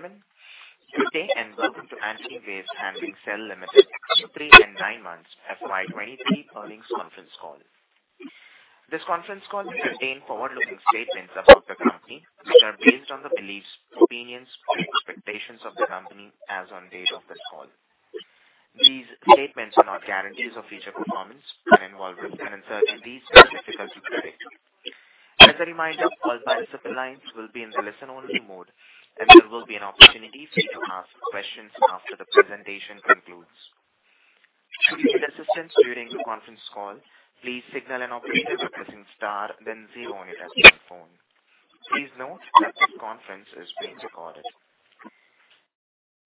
Ladies and gentlemen, good day and welcome to Antony Waste Handling Cell Limited Q3 and nine months FY23 earnings conference call. This conference call may contain forward-looking statements about the company that are based on the beliefs, opinions and expectations of the company as on date of this call. These statements are not guarantees of future performance and involve risks and uncertainties that are difficult to predict. As a reminder, all lines of clients will be in the listen-only mode, and there will be an opportunity for you to ask questions after the presentation concludes. Should you need assistance during the conference call, please signal an operator by pressing star 0 on your telephone. Please note that this conference is being recorded.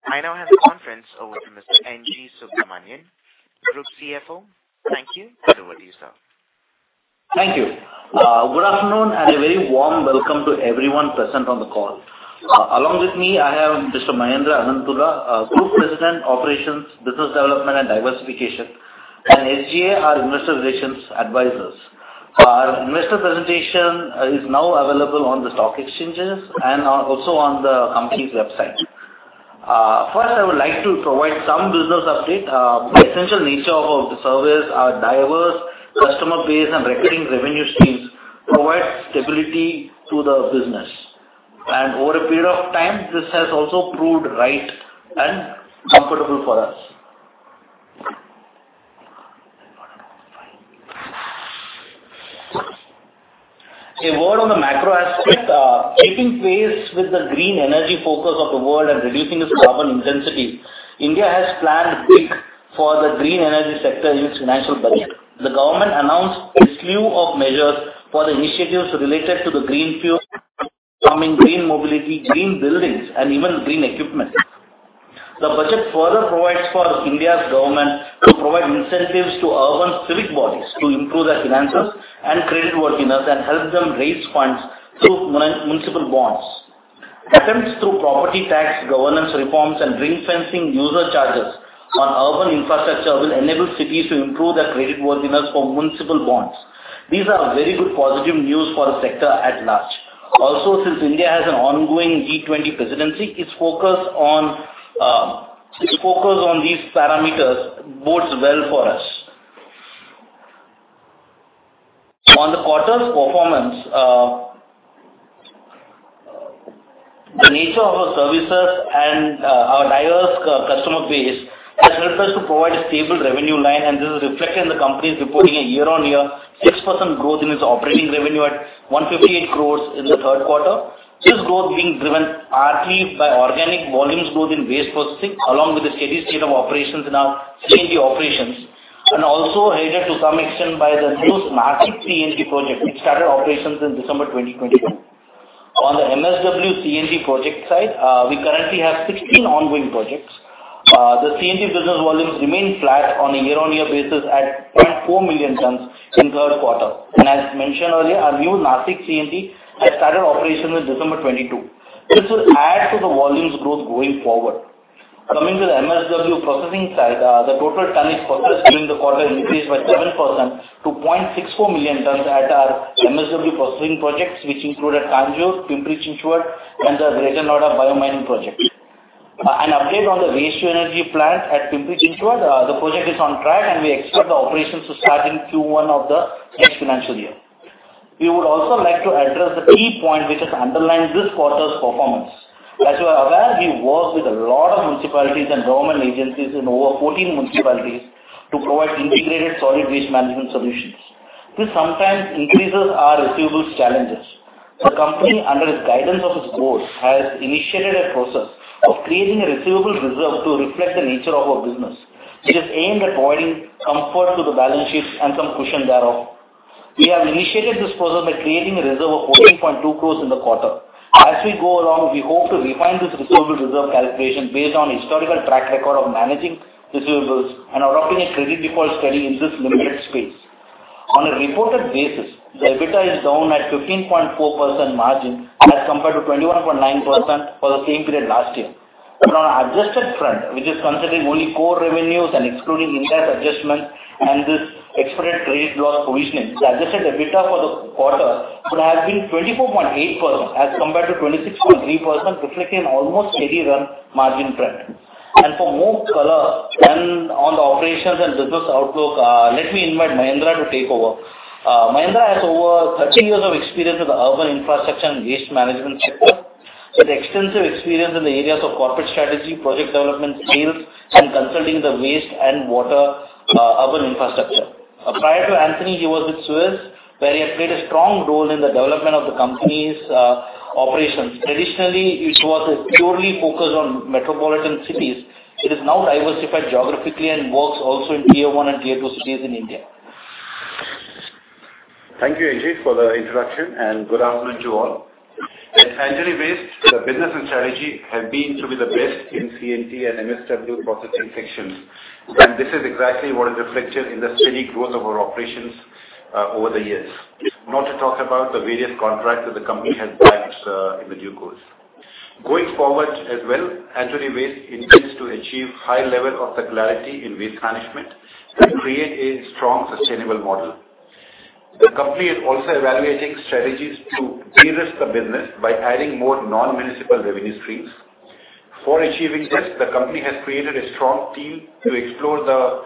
I now hand the conference over to Mr. N. G. Subramanian, Group CFO. Thank you. Over to you, sir. Thank you. Good afternoon and a very warm welcome to everyone present on the call. Along with me, I have Mr. Mahendra Ananthula, our Group President, Operations, Business Development and Diversification, and SGA, our investor relations advisors. Our investor presentation is now available on the stock exchanges and also on the company's website. First, I would like to provide some business update. The essential nature of our service, our diverse customer base and recurring revenue streams provide stability to the business. Over a period of time, this has also proved right and comfortable for us. A word on the macro aspect. Keeping pace with the green energy focus of the world and reducing its carbon intensity, India has planned big for the green energy sector in its national budget. The government announced a slew of measures for the initiatives related to the green fuels, coming green mobility, green buildings and even green equipment. The budget further provides for India's government to provide incentives to urban civic bodies to improve their finances and creditworthiness and help them raise funds through municipal bonds. Attempts through property tax, governance reforms and ring-fencing user charges on urban infrastructure will enable cities to improve their creditworthiness for municipal bonds. These are very good positive news for the sector at large. Since India has an ongoing G20 presidency, its focus on these parameters bodes well for us. On the quarter's performance, the nature of our services and our diverse customer base has helped us to provide a stable revenue line, and this is reflected in the company's reporting a year-on-year 6% growth in its operating revenue at 158 crores in the third quarter. This growth being driven partly by organic volumes growth in waste processing, along with the steady state of operations in our CNG operations and also aided to some extent by the new Nashik CNG project, which started operations in December 2022. On the MSW CNG project side, we currently have 16 ongoing projects. The CNG business volumes remain flat on a year-on-year basis at 0.4 million tons in third quarter. As mentioned earlier, our new Nashik CNG has started operations in December 2022. This will add to the volumes growth going forward. Coming to the MSW processing side, the total tonnage processed during the quarter increased by 7% to 0.64 million tons at our MSW processing projects, which include at Kanjur, Pimpri Chinchwad, and the Rajanjada Biomining project. An update on the waste to energy plant at Pimpri Chinchwad, the project is on track, and we expect the operations to start in Q1 of the next financial year. We would also like to address the key point which has underlined this quarter's performance. As you are aware, we work with a lot of municipalities and government agencies in over 14 municipalities to provide integrated solid waste management solutions. This sometimes increases our receivables challenges. The company, under the guidance of its board, has initiated a process of creating a receivable reserve to reflect the nature of our business, which is aimed at providing comfort to the balance sheets and some cushion thereof. We have initiated this process by creating a reserve of 14.2 crores in the quarter. As we go along, we hope to refine this receivable reserve calculation based on historical track record of managing receivables and adopting a credit default study in this limited space. On a reported basis, the EBITDA is down at 15.4% margin as compared to 21.9% for the same period last year. On an adjusted front, which is considering only core revenues and excluding impact adjustments and this expected trade block provisioning, the Adjusted EBITDA for the quarter would have been 24.8% as compared to 26.3%, reflecting an almost steady run margin trend. For more color and on the operations and business outlook, let me invite Mahendra to take over. Mahendra has over 30 years of experience in the urban infrastructure and waste management sector, with extensive experience in the areas of corporate strategy, project development, sales, and consulting the waste and water, urban infrastructure. Prior to Antony, he was with SUEZ, where he had played a strong role in the development of the company's operations. Traditionally, it was purely focused on metropolitan cities. It is now diversified geographically and works also in tier one and tier two cities in India. Thank you, AJ, for the introduction. Good afternoon to all. At Antony Waste, the business and strategy have been to be the best in CNG and MSW processing sections. This is exactly what is reflected in the steady growth of our operations over the years. Not to talk about the various contracts that the company has bagged in the due course. Going forward as well, Antony Waste intends to achieve high level of tech clarity in waste management and create a strong, sustainable model. The company is also evaluating strategies to de-risk the business by adding more non-municipal revenue streams. For achieving this, the company has created a strong team to explore the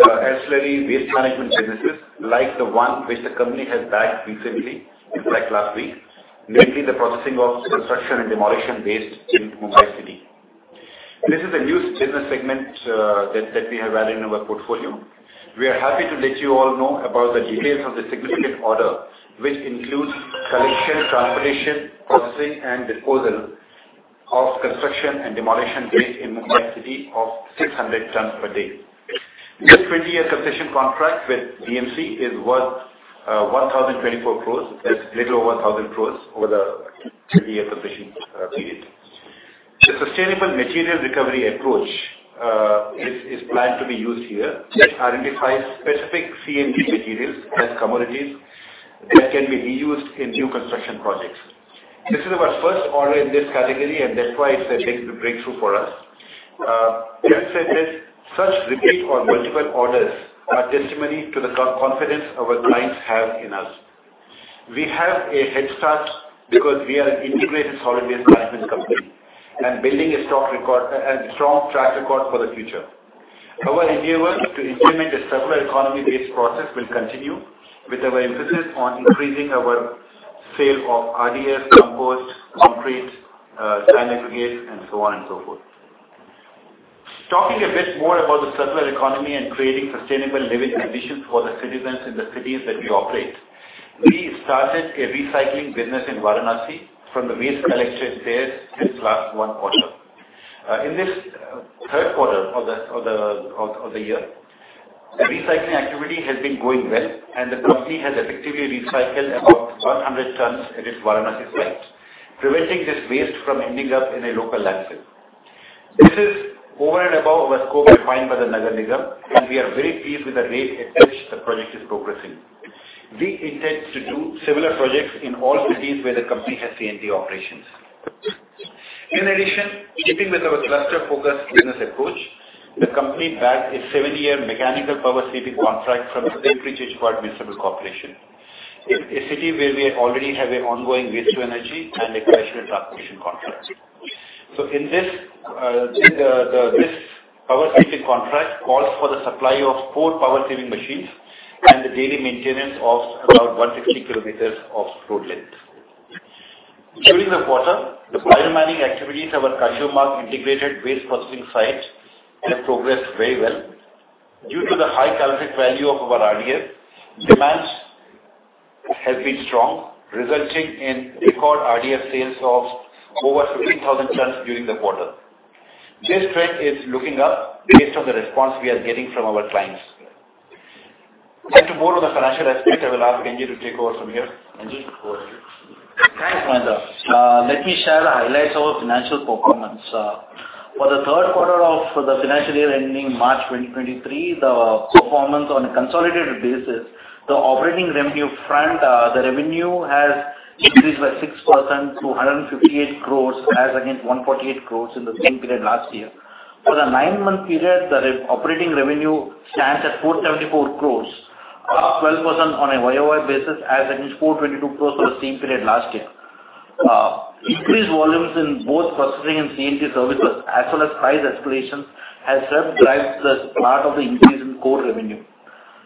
ancillary waste management businesses like the one which the company has bagged recently, in fact last week, namely the processing of construction and demolition waste in Mumbai city. This is a new business segment that we have added in our portfolio. We are happy to let you all know about the details of the significant order, which includes collection, transportation, processing, and disposal of construction and demolition waste in Mumbai city of 600 tons per day. This 20-year concession contract with BMC is worth 1,024 crores. That's little over 1,000 crores over the 20-year concession period. The sustainable material recovery approach is planned to be used here. It identifies specific C&D materials as commodities that can be reused in new construction projects. This is our first order in this category, and that's why it's a big breakthrough for us. That said, such repeat or multiple orders are testimony to the confidence our clients have in us. We have a head start because we are an integrated solid waste management company and building a strong track record for the future. Our endeavor to implement a circular economy-based process will continue with our emphasis on increasing our sale of RDF, compost, concrete, sand aggregate, and so on and so forth. Talking a bit more about the circular economy and creating sustainable living conditions for the citizens in the cities that we operate, we started a recycling business in Varanasi from the waste collected there since last one quarter. In this third quarter of the year, the recycling activity has been going well, and the company has effectively recycled about 100 tons at its Varanasi site, preventing this waste from ending up in a local landfill. This is over and above our scope defined by the Nagar Nigam, and we are very pleased with the rate at which the project is progressing. We intend to do similar projects in all cities where the company has C&D operations. Keeping with our cluster-focused business approach, the company bagged a seven-year mechanical power sweeping contract from the Sriperumbudur Town Panchayat, a city where we already have an ongoing waste to energy and a collection transportation contract. In this power sweeping contract calls for the supply of four power sweeping machines and the daily maintenance of about 150 km of road length. During the quarter, the biomining activities at our Kanjurmarg integrated waste processing site have progressed very well. Due to the high calorific value of our RDF, demands have been strong, resulting in record RDF sales of over 15,000 tons during the quarter. This trend is looking up based on the response we are getting from our clients. Turning to more of the financial aspects, I will ask Anju to take over from here. Anju, over to you. Thanks, Manisha. Let me share the highlights of our financial performance. For the 3rd quarter of the financial year ending March 2023, the performance on a consolidated basis, the operating revenue front, the revenue has increased by 6% to 158 crores as against 148 crores in the same period last year. For the 9-month period, the operating revenue stands at 474 crores, up 12% on a YOY basis as against 422 crores for the same period last year. Increased volumes in both processing and C&D services as well as price escalations has helped drive the part of the increase in core revenue.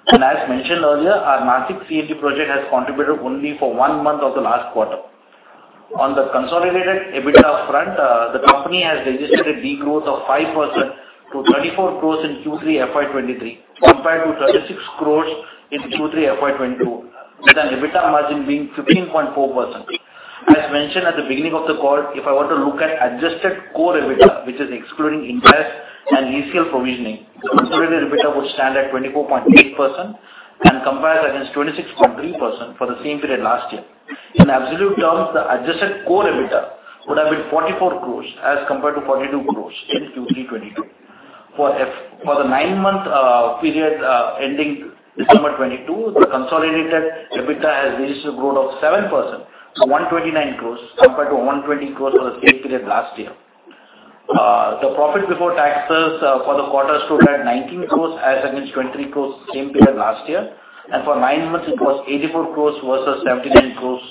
As mentioned earlier, our Nashik C&D project has contributed only for 1 month of the last quarter. On the consolidated EBITDA front, the company has registered a degrowth of 5% to 34 crores in Q3 FY23 compared to 36 crores in Q3 FY22, with an EBITDA margin being 15.4%. As mentioned at the beginning of the call, if I were to look at Adjusted core EBITDA, which is excluding interest and ECL provisioning, consolidated EBITDA would stand at 24.8% and compares against 26.3% for the same period last year. In absolute terms, the Adjusted core EBITDA would have been 44 crores as compared to 42 crores in Q3 FY22. For the nine-month period ending December 2022, the consolidated EBITDA has registered a growth of 7% to 129 crores compared to 120 crores for the same period last year. The profit before taxes for the quarter stood at 19 crores as against 23 crores same period last year. For nine months it was 84 crores versus 79 crores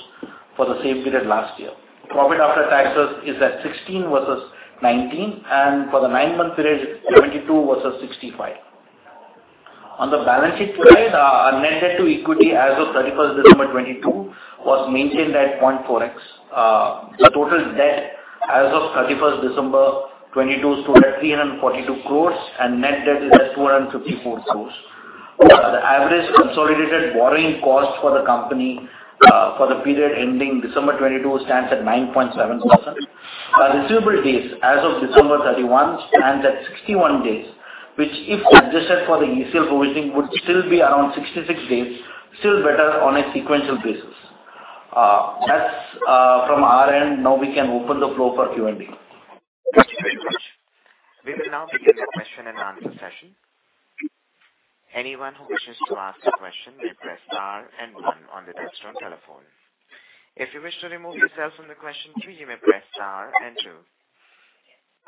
for the same period last year. Profit after taxes is at 16 versus 19. For the nine-month period it's 22 versus 65. On the balance sheet side, our net debt to equity as of 31st December 2022 was maintained at 0.4x. The total debt as of 31st December 2022 stood at 342 crores, and net debt is at 254 crores. The average consolidated borrowing cost for the company for the period ending December 2022 stands at 9.7%. Receivable days as of December 31 stands at 61 days, which if adjusted for the ECL provisioning would still be around 66 days, still better on a sequential basis. That's from our end. Now we can open the floor for Q&A. Thank you very much. We will now begin the question and answer session. Anyone who wishes to ask a question may press star and one on the touchtone telephone. If you wish to remove yourself from the question queue, you may press star and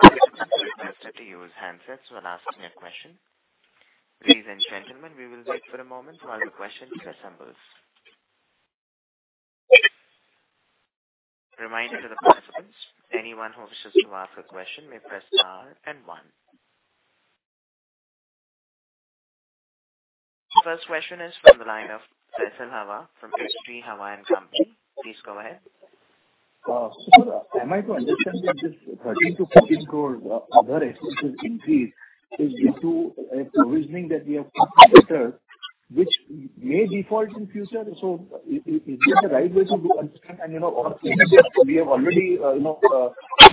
2. Request you to use handsets when asking a question. Ladies and gentlemen, we will wait for a moment while the question assembles. Reminder to the participants, anyone who wishes to ask a question may press star and one. First question is from the line of Faisal Hawa from H.G. Hawa & Co. Please go ahead. Sir, am I to understand that this INR 13 crore-INR 15 crore other expenses increase is due to a provisioning that we have better, which may default in future? Is this the right way to do understand and, you know, we have already, you know,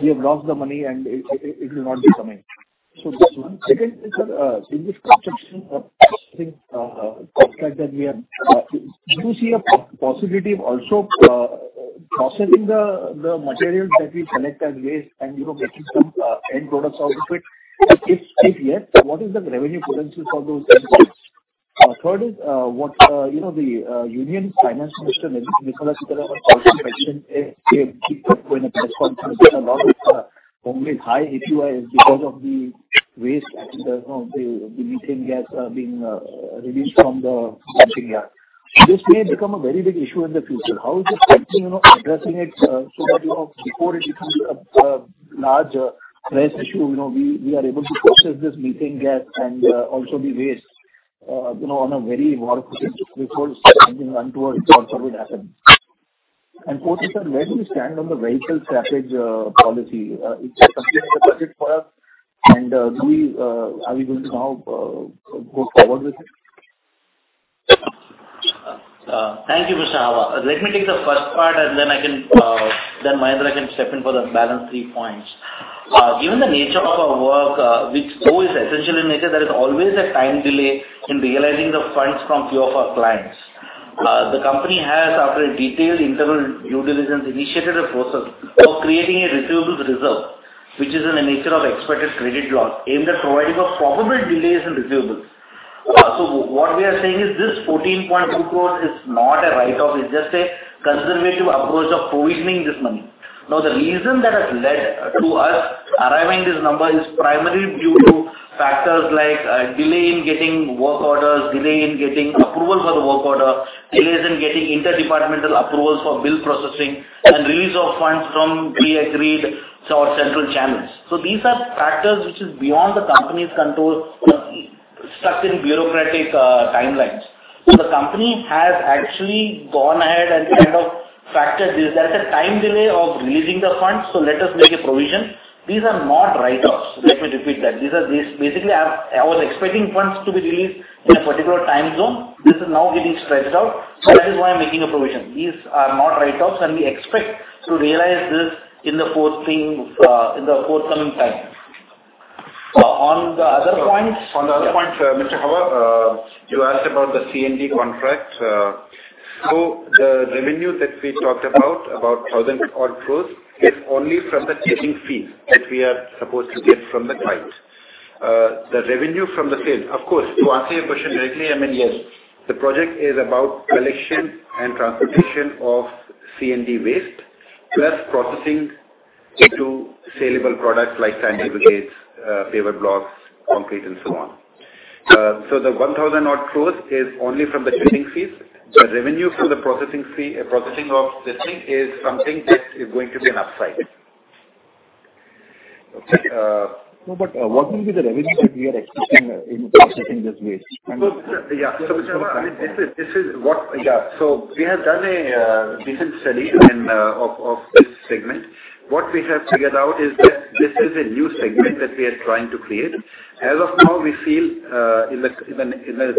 we have lost the money and it will not be coming. Just one second, sir. In this construction of testing, contract that we have, do you see a possibility of also, processing the materials that we collect as waste and, you know, making some, end products out of it? If, if yes, what is the revenue potential for those end products? Third is what, you know, the Union's Finance Minister, Nirmala Sitharaman mentioned a cheaper point of response about Bombay's high FUIs because of the waste at the, you know, the methane gas being released from the dumping yard. This may become a very big issue in the future. How is this company, you know, addressing it so that, you know, before it becomes a large press issue, you know, we are able to process this methane gas and also the waste, you know, on a very proactive before something untoward also will happen. Fourthly, sir, where do we stand on the vehicle scrapping policy? It's completed the budget for us and do we are we going to now go forward with it? Thank you, Mr. Hawa. Let me take the first part, and then I can, then Mahendra can step in for the balance three points. Given the nature of our work, which slow is essential in nature, there is always a time delay in realizing the funds from few of our clients. The company has, after a detailed internal due diligence, initiated a process for creating a receivables reserve, which is in the nature of expected credit loss, aimed at providing for probable delays in receivables. What we are saying is this 14.2 crores is not a write-off, it's just a conservative approach of provisioning this money. The reason that has led to us arriving this number is primarily due to factors like, delay in getting work orders, delay in getting approvals for the work order, delays in getting interdepartmental approvals for bill processing and release of funds from pre-agreed sort of central channels. These are factors which is beyond the company's control, stuck in bureaucratic timelines. The company has actually gone ahead and kind of factored this. There's a time delay of releasing the funds, so let us make a provision. These are not write-offs. Let me repeat that. These are basically, I was expecting funds to be released in a particular time zone. This is now getting stretched out, so that is why I'm making a provision. These are not write-offs, and we expect to realize this in the forthcoming, in the forthcoming time. On the other points. On the other point, Mr. Hawa, you asked about the C&D contract. The revenue that we talked about 1,000 odd crores, is only from the tipping fees that we are supposed to get from the clients. The revenue from the sale, of course, to answer your question directly, I mean, yes, the project is about collection and transportation of C&D waste, plus processing into saleable products like sand aggregates, paver blocks, concrete and so on. The 1,000 odd crores is only from the tipping fees. The revenue from the processing fee, processing of the thing is something that is going to be an upside. Okay. What will be the revenue that we are expecting in processing this waste? Yeah. This is what, yeah. We have done a recent study in of this segment. What we have figured out is that this is a new segment that we are trying to create. As of now, we feel in the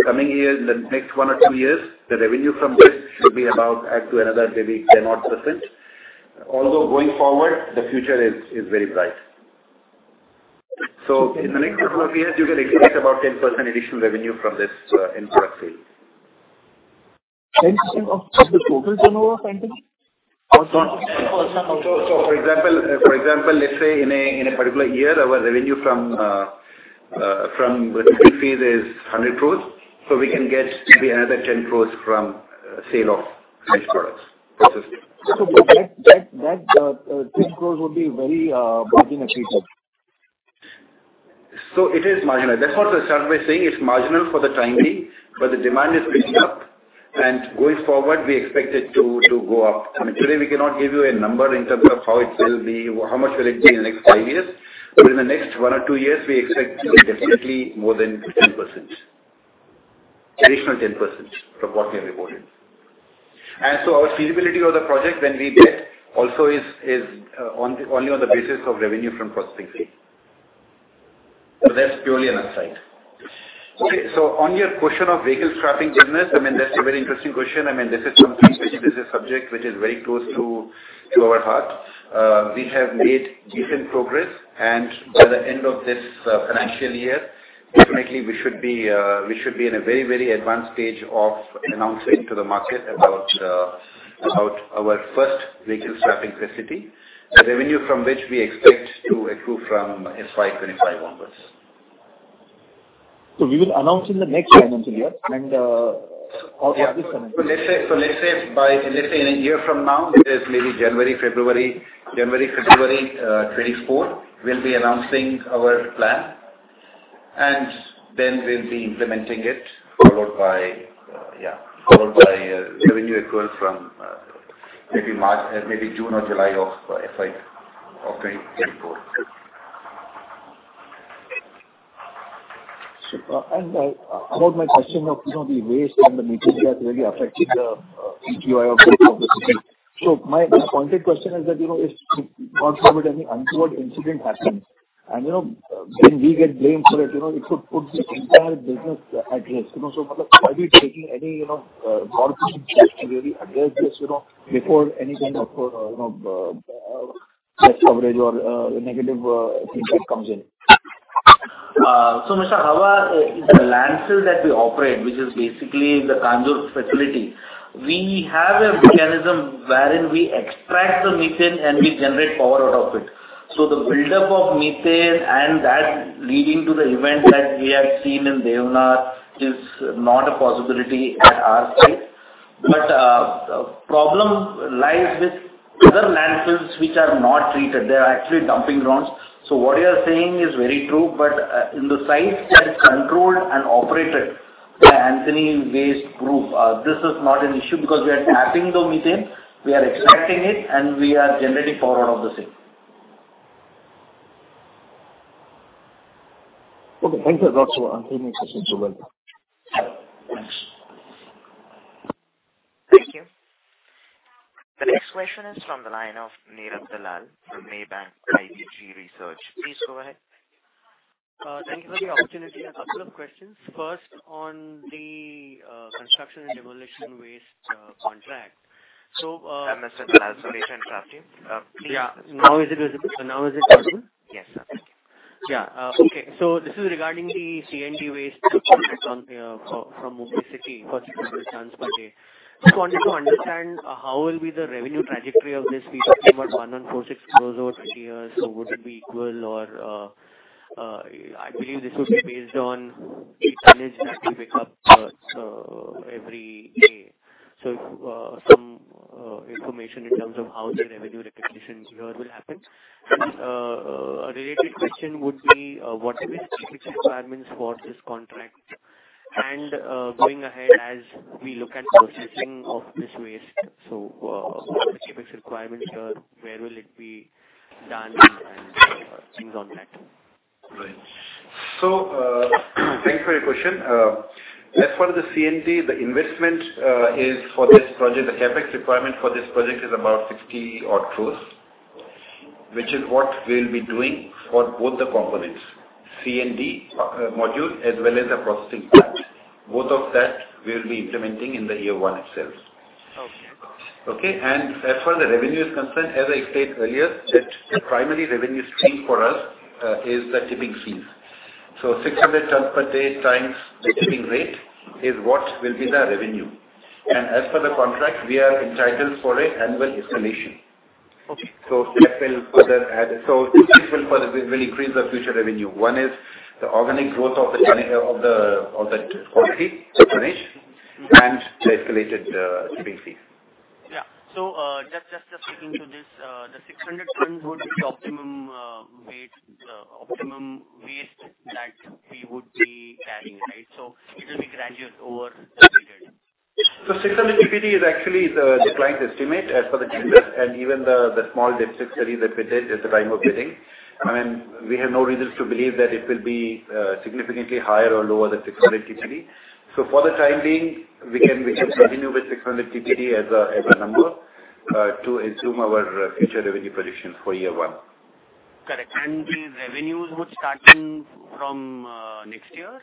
coming year, in the next one or two years, the revenue from this should be about add to another maybe 10 odd %. Although going forward, the future is very bright. In the next one or two years, you can expect about 10% additional revenue from this end product sale. 10% of the total turnover, finally? For example, let's say in a particular year, our revenue from tipping fees is 100 crores, so we can get maybe another 10 crores from sale of end products, processing. That, 10 crores would be very marginal feedback. It is marginal. That's what I started by saying, it's marginal for the time being, but the demand is picking up and going forward, we expect it to go up. I mean, today we cannot give you a number in terms of how it will be, how much will it be in the next five years. In the next one or two years, we expect definitely more than 10%. Additional 10% from what we have reported. Our feasibility of the project when we bid also is only on the basis of revenue from processing fee. That's purely an upside. Okay. On your question of vehicle scrapping business, I mean, that's a very interesting question. I mean, this is something which is a subject which is very close to our heart. We have made decent progress, and by the end of this financial year, definitely we should be in a very, very advanced stage of announcing to the market about our first vehicle scrapping facility. The revenue from which we expect to accrue from FY25 onwards. We will announce in the next financial year and. Yeah. This financial year. Let's say by in a year from now, which is maybe January, February 2024, we'll be announcing our plan. We'll be implementing it, followed by revenue accrual from maybe March, maybe June or July of FY 2024. About my question of, you know, the waste and the methane that really affected the PTI of the city. My pointed question is that, you know, if God forbid any untoward incident happens and, you know, then we get blamed for it, you know, it could put the entire business at risk. You know, are we taking any, you know, precautions to really address this, you know, before anything of, you know, press coverage or negative feedback comes in? Misha, how are the landfill that we operate, which is basically the Kanjur facility, we have a mechanism wherein we extract the methane and we generate power out of it. The buildup of methane and that leading to the event that we have seen in Deonar is not a possibility at our site. Problem lies with other landfills which are not treated. They are actually dumping grounds. What you are saying is very true, in the sites that is controlled and operated by Antony Waste Group, this is not an issue because we are tapping the methane, we are extracting it, and we are generating power out of the same. Okay. Thank you a lot, sir. I think it makes sense as well. Yeah. Thanks. Thank you. The next question is from the line of Neerav Dalal from Maybank IBG Research. Please go ahead. Thank you for the opportunity. A couple of questions. First, on the construction and demolition waste contract. I missed that. Dalal, sorry. Yeah. Now is it visible? Yes, sir. Yeah. Okay. This is regarding the C&D waste from Mumbai city for 600 tons per day. Just wanted to understand how will be the revenue trajectory of this? We talked about 1,146 crores over three years, so would it be equal or I believe this would be based on the tonnage that you pick up every day. If some information in terms of how the revenue recognition here will happen. A related question would be what are the CapEx requirements for this contract? Going ahead as we look at processing of this waste, what are the CapEx requirements here? Where will it be done and things on that? Right. Thank you for your question. As for the C&D, the investment is for this project, the CapEx requirement for this project is about 60 odd crores, which is what we'll be doing for both the components, C&D module as well as the processing plant. Both of that we'll be implementing in the year 1 itself. Okay. Okay? As far as the revenue is concerned, as I explained earlier, that the primary revenue stream for us, is the tipping fees. 600 tons per day times the tipping rate is what will be the revenue. As per the contract, we are entitled for a annual escalation. Okay. This will further will increase the future revenue. One is the organic growth of the ton fee, the tonnage, and the escalated tipping fees. Yeah. Just speaking to this, the 600 tons would be optimum waste that we would be carrying, right? It will be gradual over the period. 600 TPD is actually the client's estimate as per the tender and even the small desktop study that we did at the time of bidding. I mean, we have no reasons to believe that it will be significantly higher or lower than 600 TPD. For the time being, we can continue with 600 TPD as a number to assume our future revenue predictions for year 1. Correct. The revenues would start coming from next year?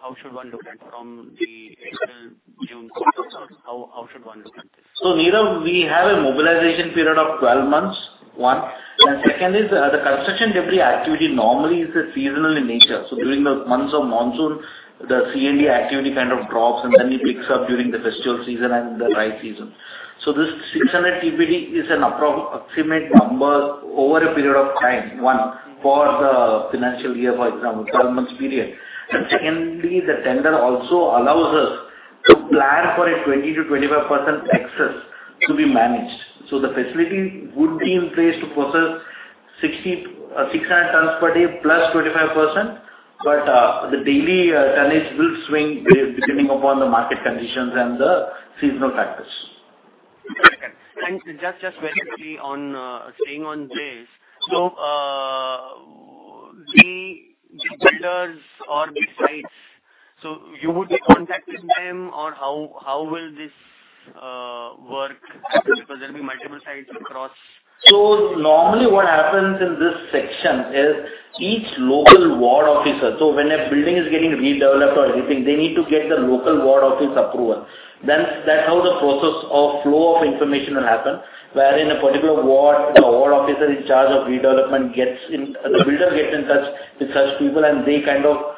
How should one look at from the April, June quarters, or how should one look at this? Nirav, we have a mobilization period of 12 months, one. And second is, the construction debris activity normally is seasonal in nature. During the months of monsoon, the C&D activity kind of drops, and then it picks up during the festival season and the dry season. This 600 TPD is an approximate number over a period of time, one, for the financial year, for example, 12 months period. Secondly, the tender also allows us to plan for a 20%-25% excess to be managed. The facility would be in place to process 600 tons per day plus 25%. The daily tonnage will swing depending upon the market conditions and the seasonal factors. Correct. Just very quickly on staying on this. The builders or the sites, so you would be contacting them or how will this work? Because there'll be multiple sites across. Normally what happens in this section is each local ward officer. When a building is getting redeveloped or anything, they need to get the local ward office approval. That's how the process of flow of information will happen, wherein a particular ward, the ward officer in charge of redevelopment. The builder gets in touch with such people, and they kind of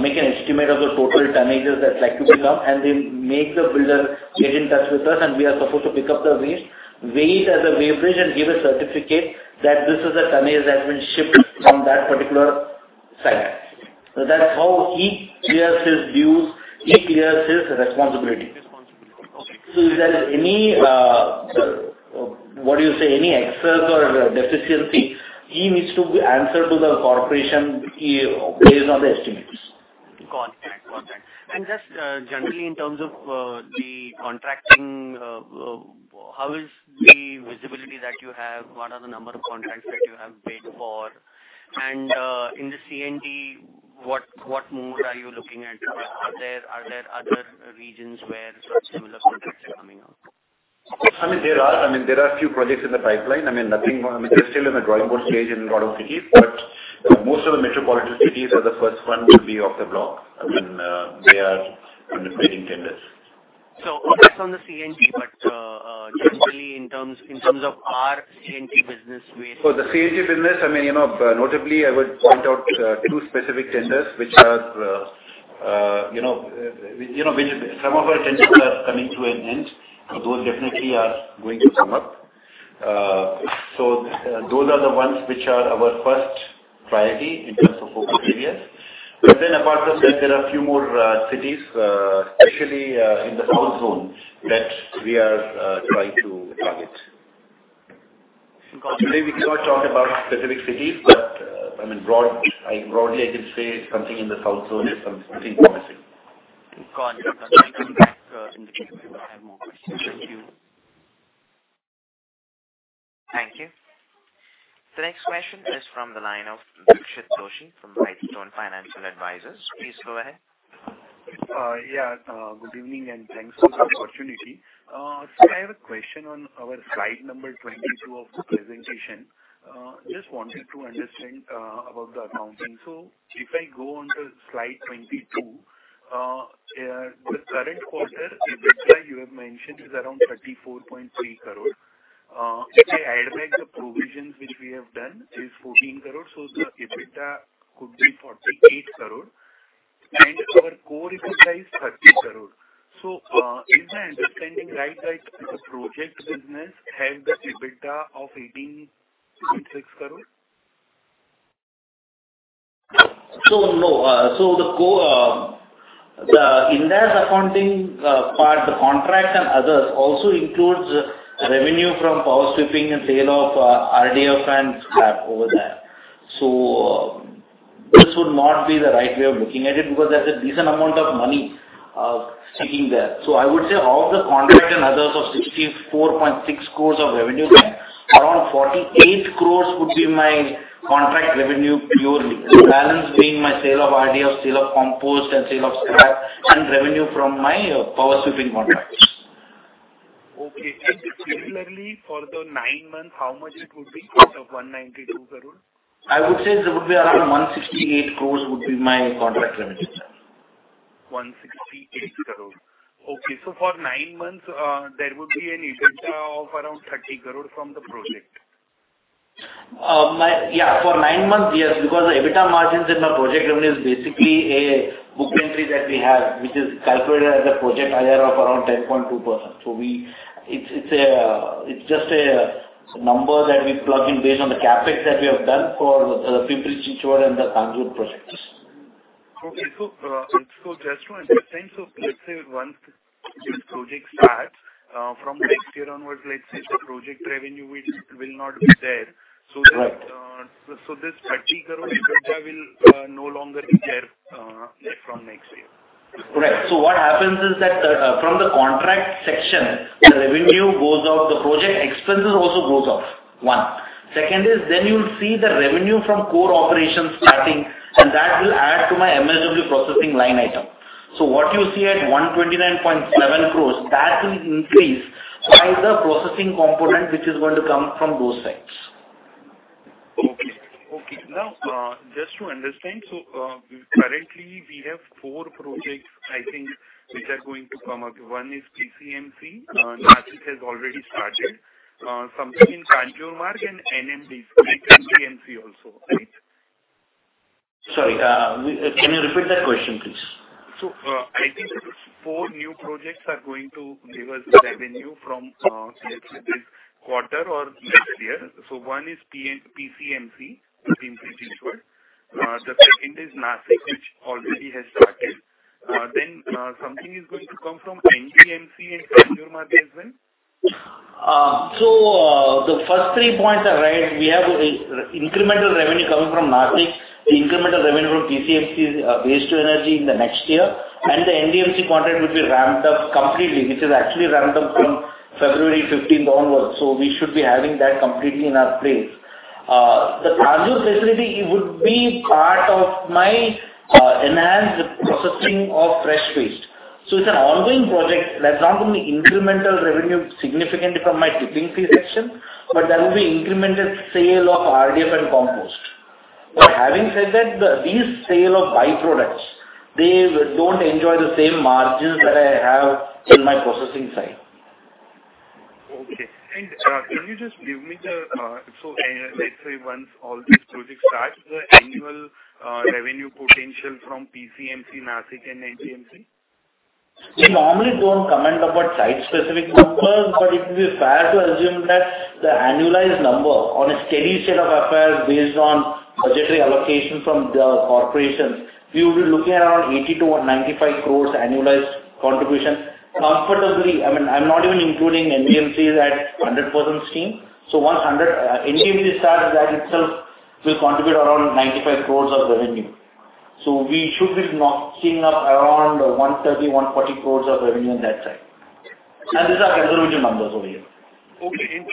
make an estimate of the total tonnages that's likely to come, and they make the builder get in touch with us, and we are supposed to pick up the waste, weigh it at the weighbridge, and give a certificate that this is the tonnage that has been shipped from that particular site. That's how he clears his dues, he clears his responsibility. Is there any, what do you say, any excess or deficiency he needs to answer to the corporation, based on the estimates? Got that. Got that. Just generally in terms of the contracting, how is the visibility that you have? What are the number of contracts that you have bid for? In the C&T, what more are you looking at? Are there other regions where such similar contracts are coming out? I mean, there are. I mean, there are a few projects in the pipeline. I mean, nothing. I mean, they're still in the drawing board stage in a lot of cities, Most of the metropolitan cities are the first one to be off the block. I mean, they are submitting tenders. Focus on the C&T, but, generally in terms of our C&T business. For the C&T business, I mean, you know, notably I would point out, two specific tenders which are, you know, some of our tenders are coming to an end. Those definitely are going to come up. Those are the ones which are our first priority in terms of focus areas. Apart from that, there are a few more cities, especially, in the south zone that we are trying to target. Got it. Today we cannot talk about specific cities, but, I mean, broadly I can say something in the south zone is something promising. Got it. Got it. I will come back in the Q&A if I have more questions. Thank you. Thank you. The next question is from the line of Dixit Doshi from Whitestone Financial Advisors. Please go ahead. Yeah, good evening and thanks for the opportunity. Sir, I have a question on our slide number 22 of the presentation. Just wanted to understand about the accounting. If I go on to slide 22, the current quarter, EBITDA you have mentioned is around 34.3 crore. If I add back the provisions which we have done is 14 crore, so the EBITDA could be 48 crore. Our core EBITDA is 30 crore. Is my understanding right that the project business has the EBITDA of INR 18.6 crore? No. The enhanced accounting part, the contract and others also includes revenue from power sweeping and sale of RDF and scrap over there. This would not be the right way of looking at it because that's a decent amount of money sitting there. I would say of the contract and others of 64.6 crores of revenue, around 48 crores would be my contract revenue purely. The balance being my sale of RDF, sale of compost and sale of scrap and revenue from my power sweeping contracts. Okay. similarly for the nine months, how much it would be out of 192 crore? I would say there would be around 168 crores would be my contract revenue, sir. 168 crore. Okay. For nine months, there would be an EBITDA of around 30 crore from the project. Yeah, for nine months, yes, because the EBITDA margin in my project revenue is basically a book entry that we have, which is calculated as a project IRR of around 10.2%. It's just a number that we plug in based on the CapEx that we have done for the Pimpri-Chinchwad and the Kanjur projects. Okay. Just to understand, so let's say once this project starts, from next year onwards, let's say the project revenue which will not be there. Right. This INR 30 crore EBITDA will no longer be there from next year. Correct. What happens is that, from the contract section, the revenue goes up, the project expenses also goes up. Second is you'll see the revenue from core operations starting, that will add to my MSW processing line item. What you see at 129.7 crores, that will increase by the processing component which is going to come from those sites. Okay. Okay. Just to understand, currently we have 4 projects I think which are going to come up. one is PCMC. Nashik has already started. Something in Kanjurmarg and NDMC and PCMC also, right? Sorry. Can you repeat that question, please? I think 4 new projects are going to give us the revenue from, let's say this quarter or next year. one is PCMC, Pimpri-Chinchwad. The 2 is Nashik, which already has started. Something is going to come from NDMC and Kanjurmarg as well. The first three points are right. We have incremental revenue coming from Nashik. The incremental revenue from PCMC is waste to energy in the next year. The NDMC contract will be ramped up completely, which is actually ramped up from February 15th onwards. We should be having that completely in our place. The Kanjur facility would be part of my enhanced processing of fresh waste. It's an ongoing project that's not only incremental revenue significantly from my tipping fee section, but there will be incremental sale of RDF and compost. Having said that, these sale of byproducts, they don't enjoy the same margins that I have in my processing side. Okay. Can you just give me the, let's say once all these projects start, the annual revenue potential from PCMC, Nashik and NDMC? We normally don't comment about site-specific numbers, but it will be fair to assume that the Annualized number on a steady state of affairs based on budgetary allocation from the corporations, we will be looking at around 80-95 crores annualized contribution comfortably. I mean, I'm not even including NMMCs at 100% scheme. 100 NMMC starts that itself will contribute around 95 crores of revenue. We should be knocking up around 130-140 crores of revenue on that side. These are conservative numbers over here. Okay.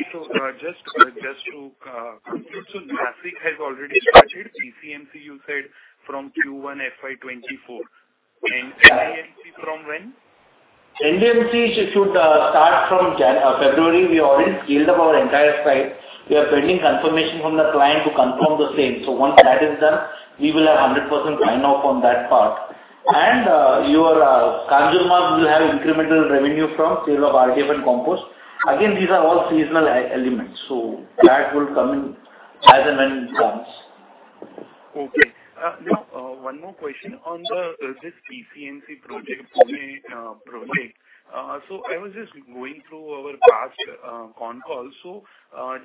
just to conclude. MASIC has already started. PCMC, you said from Q1 FY24. NMMC from when? NMMC should start from February. We already scaled up our entire site. We are pending confirmation from the client to confirm the same. Once that is done, we will have 100% sign-off on that part. Your Kanjurmarg will have incremental revenue from sale of RDF and compost. These are all seasonal e-elements, so that will come in as and when it comes. Now, one more question on the, this PCMC project, Pune, project. I was just going through our past con calls.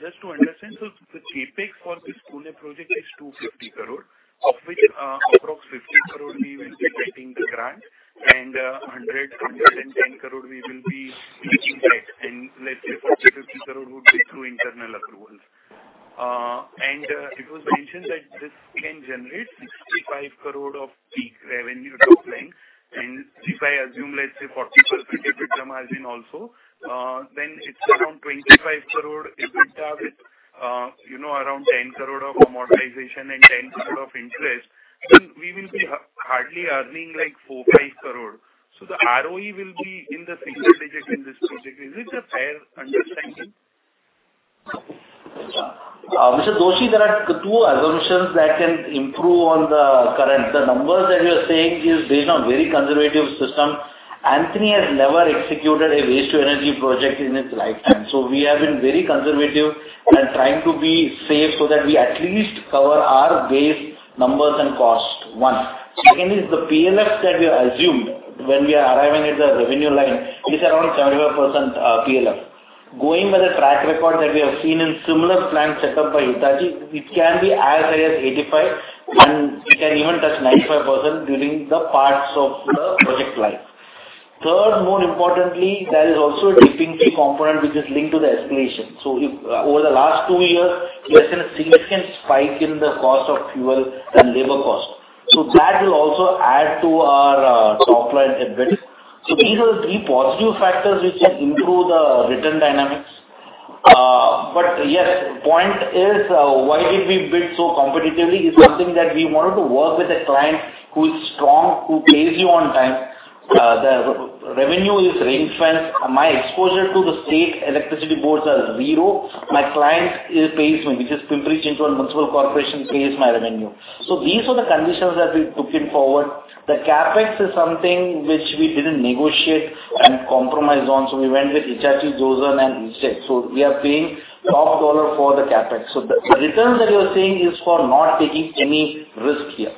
Just to understand, the CapEx for this Pune project is 250 crore, of which, approx 50 crore we will be getting the grant and, 110 crore we will be seeking debt, and let's say 40-50 crore would be through internal accruals. It was mentioned that this can generate 65 crore of peak revenue top line. If I assume, let's say 40% EBITDA margin also, then it's around 25 crore EBITDA with, you know, around 10 crore of amortization and 10 crore of interest, then we will be hardly earning like four-five crore. The ROE will be in the single digit in this project. Is it a fair understanding? Mr. Doshi, there are two assumptions that can improve on the current. The numbers that you're saying is based on very conservative system. Antony has never executed a waste to energy project in its lifetime, so we have been very conservative and trying to be safe so that we at least cover our base numbers and cost. One. Second is the PLFs that we have assumed when we are arriving at the revenue line is around 75%, PLF. Going by the track record that we have seen in similar plants set up by Hitachi, it can be as high as 85%, and it can even touch 95% during the parts of the project life. Third, more importantly, there is also a de-linking component which is linked to the escalation. If, over the last 2 years, we have seen a significant spike in the cost of fuel and labor cost. That will also add to our top line EBITDA. These are the 3 positive factors which can improve the return dynamics. Yes, point is, why did we bid so competitively is something that we wanted to work with a client who is strong, who pays you on time. The revenue is ring-fenced. My exposure to the state electricity boards are 0. My client pays me, which is Pimpri-Chinchwad Municipal Corporation pays my revenue. These are the conditions that we've taken forward. The CapEx is something which we didn't negotiate and compromise on, so we went with Hitachi Zosen and ECEG. We are paying top dollar for the CapEx. The return that you are saying is for not taking any risk here.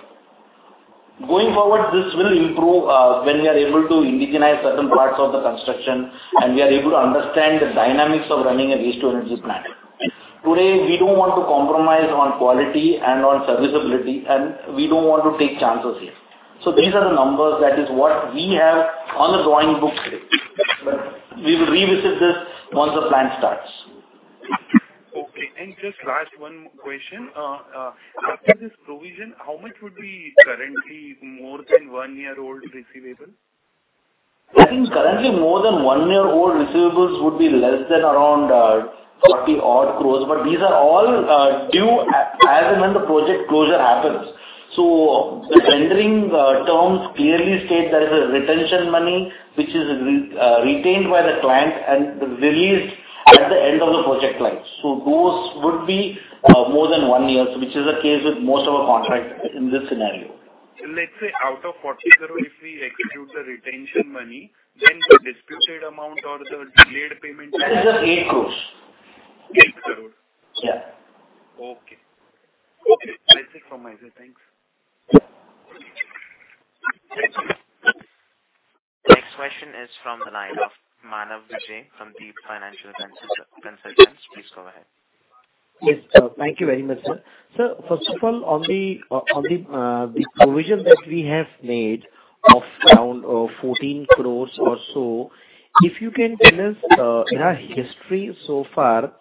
Going forward, this will improve when we are able to indigenize certain parts of the construction and we are able to understand the dynamics of running a waste to energy plant. Today, we don't want to compromise on quality and on serviceability, and we don't want to take chances here. These are the numbers that is what we have on the drawing book today. We will revisit this once the plant starts. Okay. Just last one more question. After this provision, how much would be currently more than one-year-old receivables? I think currently more than one-year-old receivables would be less than around 40 odd crores. These are all due as and when the project closure happens. The rendering terms clearly state there is a retention money which is retained by the client and released at the end of the project life. Those would be more than 1 years, which is the case with most of our contracts in this scenario. Let's say out of 40 crore, if we exclude the retention money, then the disputed amount or the delayed payment- That is just eight crores. eight crore? Yeah. Okay. Okay. That's it from my side. Thanks. Next question is from the line of Manav Vijay from Deep Financial Consultants. Please go ahead. Yes. thank you very much, sir. Sir, first of all, on the provision that we have made of around, 14 crores or so, if you can tell us, in our history so far,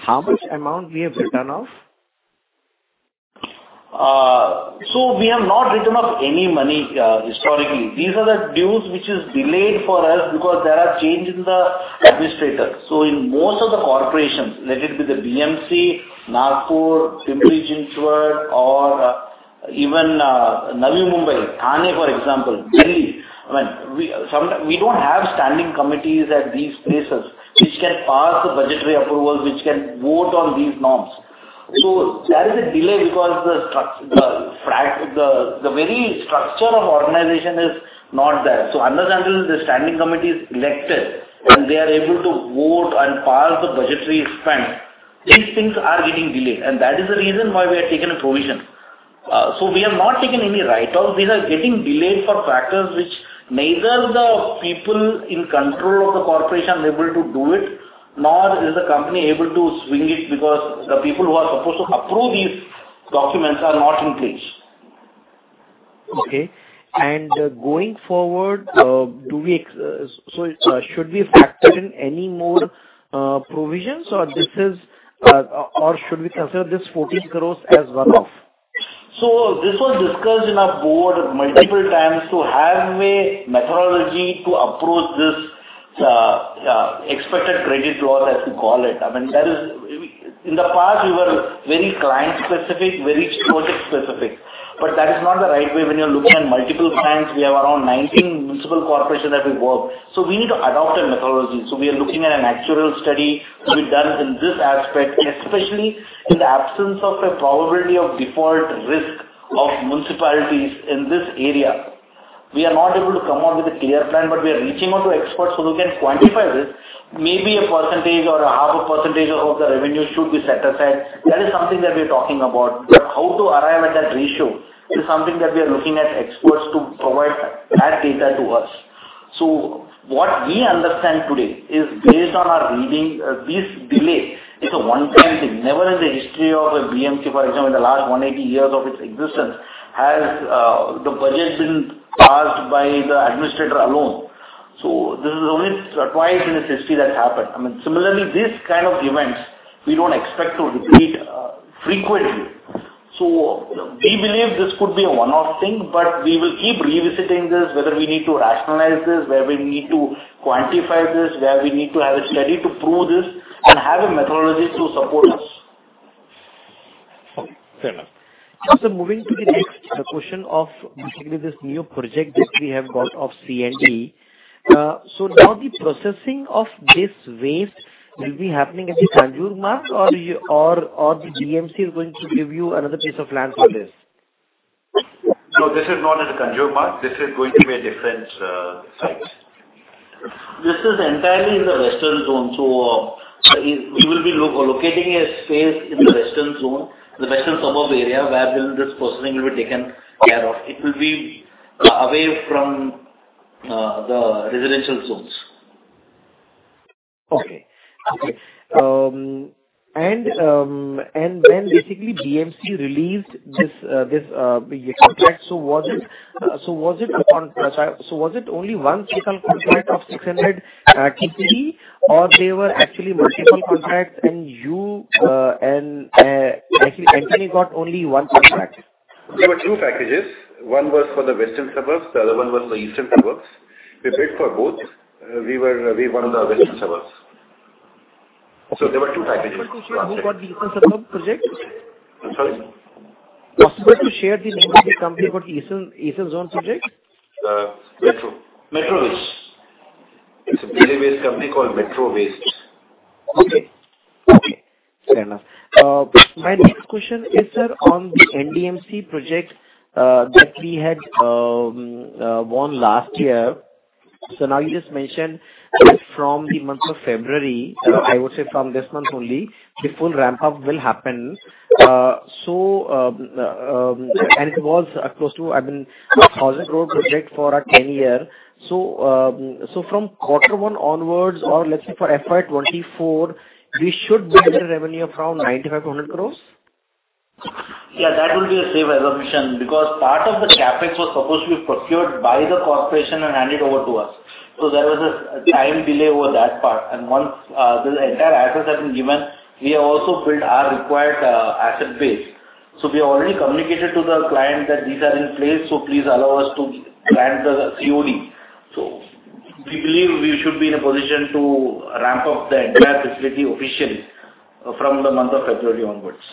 how much amount we have written off? We have not written off any money historically. These are the dues which is delayed for us because there are change in the administrator. In most of the corporations, let it be the BMC, Nagpur, Pimpri-Chinchwad or even Navi Mumbai, Thane, for example, Delhi, I mean, we don't have standing committees at these places which can pass the budgetary approval, which can vote on these norms. There is a delay because the very structure of organization is not there. Unless and until the standing committee is elected and they are able to vote and pass the budgetary spend, these things are getting delayed. That is the reason why we have taken a provision. We have not taken any write-offs. These are getting delayed for factors which neither the people in control of the corporation are able to do it, nor is the company able to swing it because the people who are supposed to approve these documents are not in place. Okay. going forward, should we factor in any more, provisions or this is, or should we consider this 14 crores as one-off? This was discussed in our board multiple times to have a methodology to approve this expected credit loss, as you call it. I mean, in the past we were very client-specific, very project-specific, but that is not the right way when you're looking at multiple clients. We have around 19 municipal corporations that we work. We need to adopt a methodology. We are looking at an actuarial study to be done in this aspect, especially in the absence of a probability of default risk of municipalities in this area. We are not able to come out with a clear plan, but we are reaching out to experts who can quantify this. Maybe a % or a half a % of the revenue should be set aside. That is something that we are talking about. How to arrive at that ratio is something that we are looking at experts to provide that data to us. What we understand today is based on our reading, this delay is a one-time thing. Never in the history of a BMC, for example, in the last 180 years of its existence, has the budget been passed by the administrator alone. This is only twice in its history that happened. I mean, similarly, these kind of events we don't expect to repeat frequently. We believe this could be a one-off thing, but we will keep revisiting this, whether we need to rationalize this, whether we need to quantify this, whether we need to have a study to prove this and have a methodology to support us. Moving to the next question of basically this new project that we have got of C&D. Now the processing of this waste will be happening at the Kanjurmarg or the BMC is going to give you another piece of land for this? This is not at Kanjurmarg. This is going to be a different site. This is entirely in the western zone. We will be locating a space in the western zone, the western suburb area, wherein this processing will be taken care of. It will be away from the residential zones. Okay. Okay. When basically BMC released this contract, was it only one three-month contract of 600 TPD or there were actually multiple contracts and you, I think Antony got only one contract. There were two packages. One was for the western suburbs, the other one was for the eastern suburbs. We bid for both. We won the western suburbs. There were 2 packages for the contract. Possible to share who got the eastern suburb project? I'm sorry? Possible to share the name of the company for eastern zone project? Metro waste. It's a Pune-based company called Metro waste. Okay. Okay. Fair enough. my next question is, sir, on the NDMC project that we had won last year? Now you just mentioned from the month of February, I would say from this month only, the full ramp up will happen. and it was close to, I mean, a 1,000 crore project for a 10-year. From quarter 1 onwards or let's say for FY24, we should be under revenue of around 95-100 crores? Yeah. That will be a safe assumption because part of the CapEx was supposed to be procured by the corporation and handed over to us. There was a time delay over that part. Once, the entire asset has been given, we have also built our required asset base. We have already communicated to the client that these are in place, so please allow us to plant the COD. We believe we should be in a position to ramp up the entire facility officially from the month of February onwards.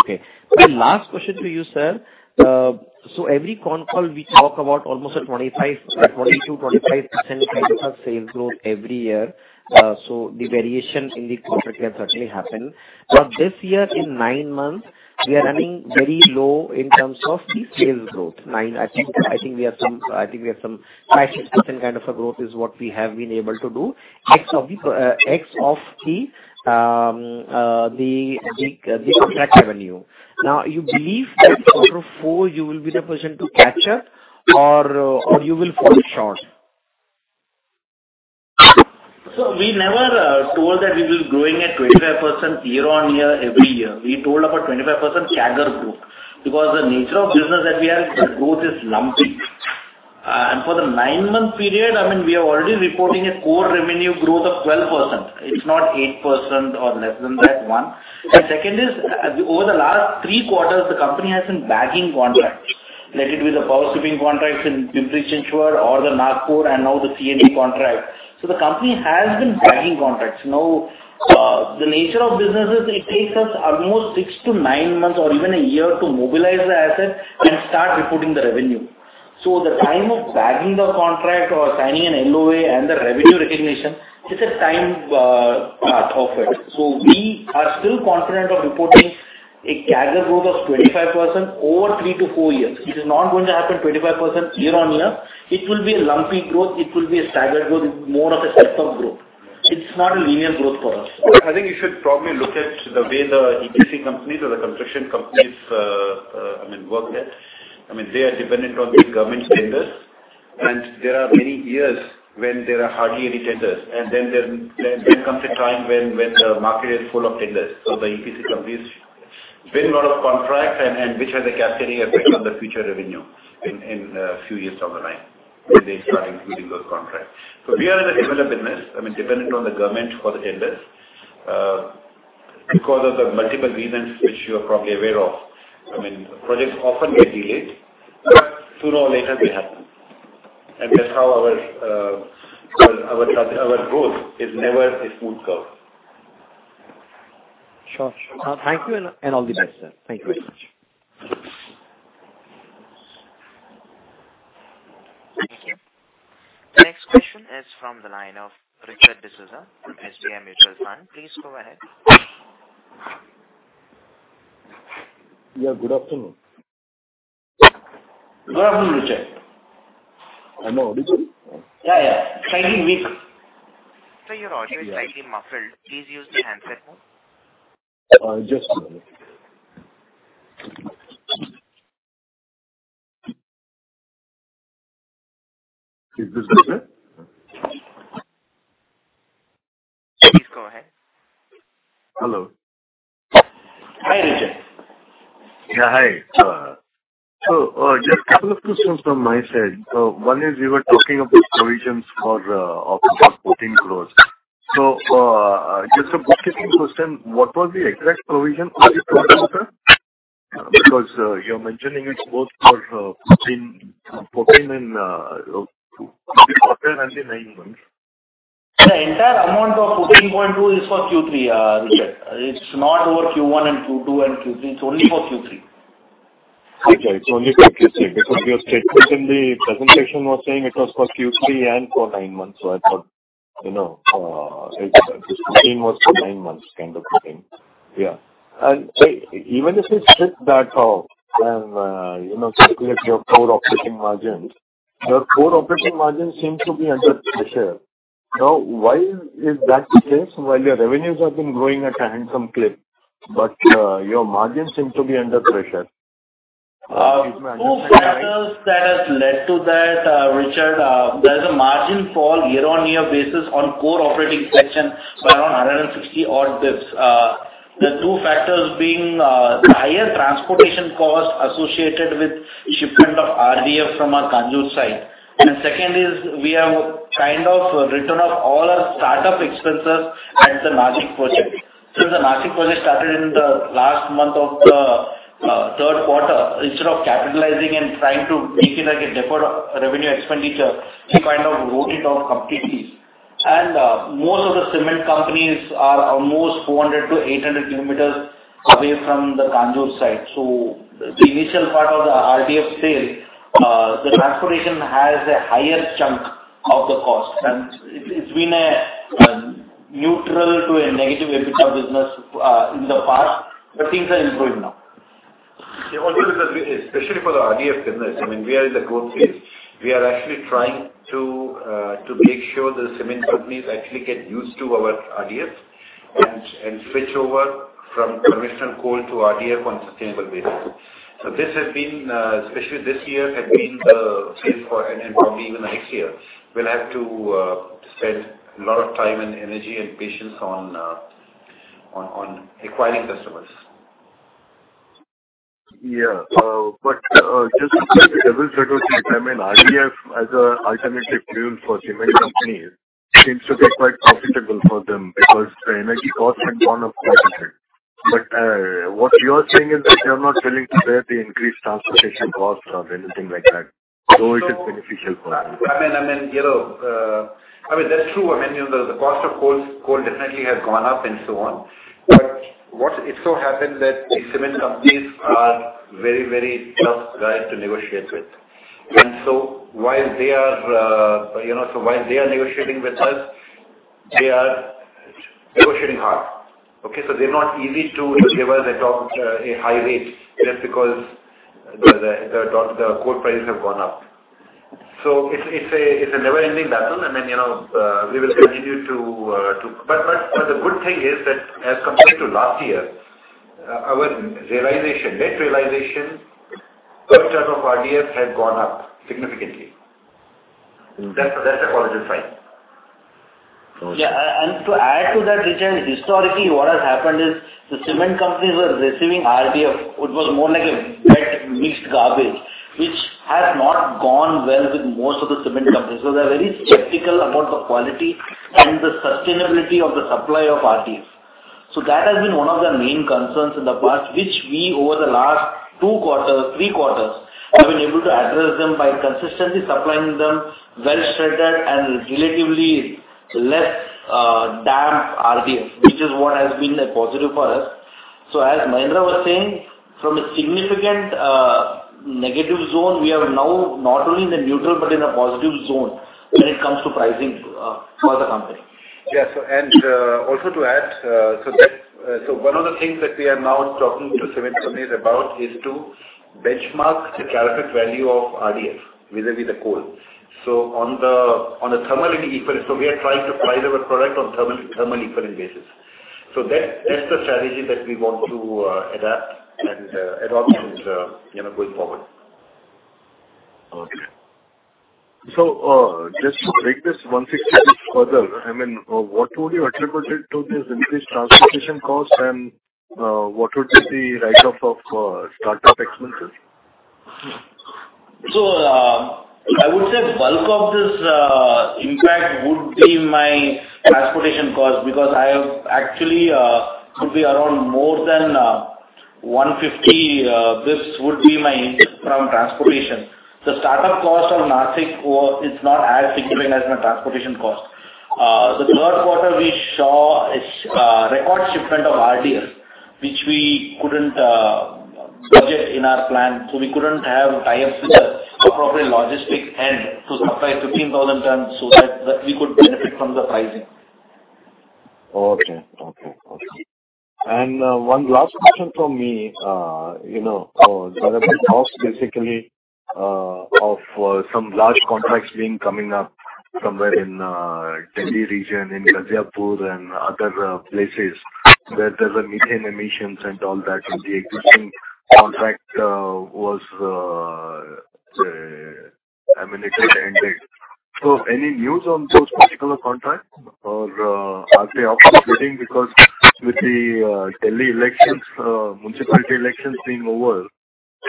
Okay. The last question to you, sir. Every con call we talk about almost a 25, 22-25% kind of a sales growth every year. The variation in the contract can certainly happen. This year in nine months we are running very low in terms of the sales growth. I think we have some five, 6% kind of a growth is what we have been able to do ex of the, ex of the contract revenue. You believe that Q4 you will be in a position to catch up or you will fall short? We never told that we will be growing at 25% year on year every year. We told about 25% CAGR growth because the nature of business that we are, the growth is lumpy. For the 9-month period, I mean, we are already reporting a core revenue growth of 12%. It's not 8% or less than that, one. Second is, over the last three quarters the company has been bagging contracts, let it be the power sweeping contracts in Pimpri-Chinchwad or the Nagpur and now the C&D contract. The company has been bagging contracts. Now, the nature of business is it takes us almost six-nine months or even one year to mobilize the asset and start reporting the revenue. The time of bagging the contract or signing an LOA and the revenue recognition is a time part of it. We are still confident of reporting a CAGR growth of 25% over three-four years. It is not going to happen 25% year- on- year. It will be a lumpy growth, it will be a staggered growth, it will be more of a step-up growth. It's not a linear growth for us. I think you should probably look at the way the EPC companies or the construction companies, I mean, work there. I mean, they are dependent on the government tenders, there are many years when there are hardly any tenders. Then there comes a time when the market is full of tenders. The EPC companies win a lot of contracts and which has a cascading effect on the future revenue in few years down the line when they start including those contracts. We are in a similar business. I mean, dependent on the government for the tenders, because of the multiple reasons which you are probably aware of. I mean, projects often get delayed, but sooner or later they happen. That's how our growth is never a smooth curve. Sure. Thank you, and all the best, sir. Thank you very much. Thank you. The next question is from the line of Richard D'Souza from SJM Mutual Fund. Please go ahead. Yeah, good afternoon. Good afternoon, Richard. Am I audible? Yeah, yeah. Slightly muted. Sir, your audio is slightly muffled. Please use the handset mode. just a minute. Is this better? Please go ahead. Hello. Hi, Richard. Yeah, hi. Just couple of questions from my side. One is you were talking about provisions for, of about 14 crores. Just a book-keeping question, what was the exact provision for the quarter, sir? You're mentioning it both for, 15, 14 and for the quarter and the nine months. The entire amount of 14.2 is for Q3, Richard. It's not over Q1 and Q2 and Q3. It's only for Q3. Okay. It's only for Q3. Your statement in the presentation was saying it was for Q3 and for nine months. I thought, you know, this 14 was for nine months kind of a thing. Yeah. Even if we strip that off and, you know, calculate your core operating margins, your core operating margins seem to be under pressure. Now, why is that the case while your revenues have been growing at a handsome clip, but your margins seem to be under pressure? Two factors that has led to that, Richard. There's a margin fall year-on-year basis on core operating section by around 160 odd bits. The two factors being higher transportation costs associated with shipment of RDF from our Kanjur site. Second is we have kind of written off all our start-up expenses at the Nashik project. The Nashik project started in the last month of the third quarter. Instead of capitalizing and trying to make it like a deferred revenue expenditure, we kind of wrote it off completely. Most of the cement companies are almost 400-800 km away from the Kanjur site. The initial part of the RDF sale, the transportation has a higher chunk of the cost. It's been a neutral to a negative EBITDA business in the past, but things are improving now. Also because especially for the RDF business, I mean, we are in the growth phase. We are actually trying to make sure the cement companies actually get used to our RDF and switch over from traditional coal to RDF on sustainable basis. This has been especially this year, has been the phase for... and probably even next year, we'll have to spend a lot of time and energy and patience on acquiring customers. Yeah. Just to double-check with you, I mean, RDF as an alternative fuel for cement companies seems to be quite profitable for them because the energy costs have gone up quite a bit. What you're saying is that they're not willing to bear the increased transportation costs or anything like that. It is beneficial for them. I mean, you know, that's true. I mean, you know, the cost of coal definitely has gone up and so on. What it so happened that the cement companies are very, very tough guys to negotiate with. While they are, you know, so while they are negotiating with us, they are negotiating hard. Okay? They're not easy to give us a top, a high rate just because the top, the coal prices have gone up. It's a never-ending battle. We will continue to. The good thing is that as compared to last year, our realization, net realization per ton of RDF has gone up significantly. That's a positive sign. Yeah. To add to that, Richard, historically what has happened is the cement companies were receiving RDF, which was more like a wet mixed garbage, which has not gone well with most of the cement companies. They're very skeptical about the quality and the sustainability of the supply of RDF. That has been one of their main concerns in the past, which we over the last two quarters, three quarters, have been able to address them by consistently supplying them well-shredded and relatively less damp RDF, which is what has been a positive for us. As Mahendra was saying, from a significant negative zone, we are now not only in the neutral but in a positive zone when it comes to pricing for the company. Yes. also to add, so that, so one of the things that we are now talking to cement companies about is to Benchmark the characteristic value of RDF vis-a-vis the coal. On a thermal equivalent, we are trying to price our product on thermal equivalent basis. That's the strategy that we want to adapt and adopt, and, you know, going forward. Okay. Just to break this 160 bits further, I mean, what would you attribute it to this increased transportation cost and what would be the write-off of start-up expenses? I would say bulk of this impact would be my transportation cost because I have actually could be around more than 150, this would be my impact from transportation. The start-up cost of Nashik, it's not as significant as my transportation cost. The third quarter we saw is record shipment of RDF, which we couldn't budget in our plan. We couldn't have tie-ups with the appropriate logistics and to supply 15,000 tons so that we could benefit from the pricing. Okay. Okay. Okay. One last question from me. You know, there have been talks basically, of, some large contracts being coming up somewhere in, Delhi region, in Ghaziabad and other, places where there's a methane emissions and all that, and the existing contract, was, I mean, it has ended. Any news on those particular contracts or, are they up for bidding because with the, Delhi elections, municipality elections being over,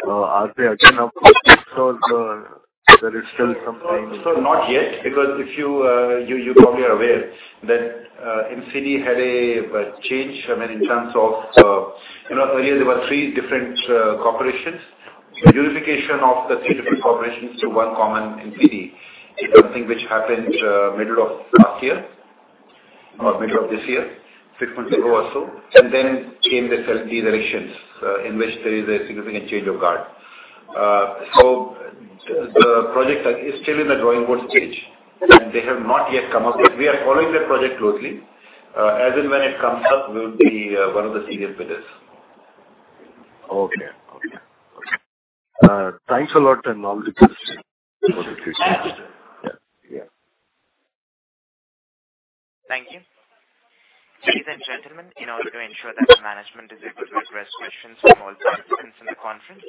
are they again up for bids or, there is still some time? Not yet, because if you, you probably are aware that MCD had a change, I mean, in terms of, you know, earlier there were 3 different corporations. The unification of the 3 different corporations to 1 common MCD is something which happened, middle of last year or middle of this year, six months ago or so. Came the Delhi elections, in which there is a significant change of guard. The project is still in the drawing board stage, and they have not yet come up. We are following that project closely. As and when it comes up, we'll be one of the senior bidders. Okay. Okay. Okay. Thanks a lot, and all the best for the future. Yeah. Yeah. Thank you. Ladies and gentlemen, in order to ensure that management is able to address questions from all participants in the conference,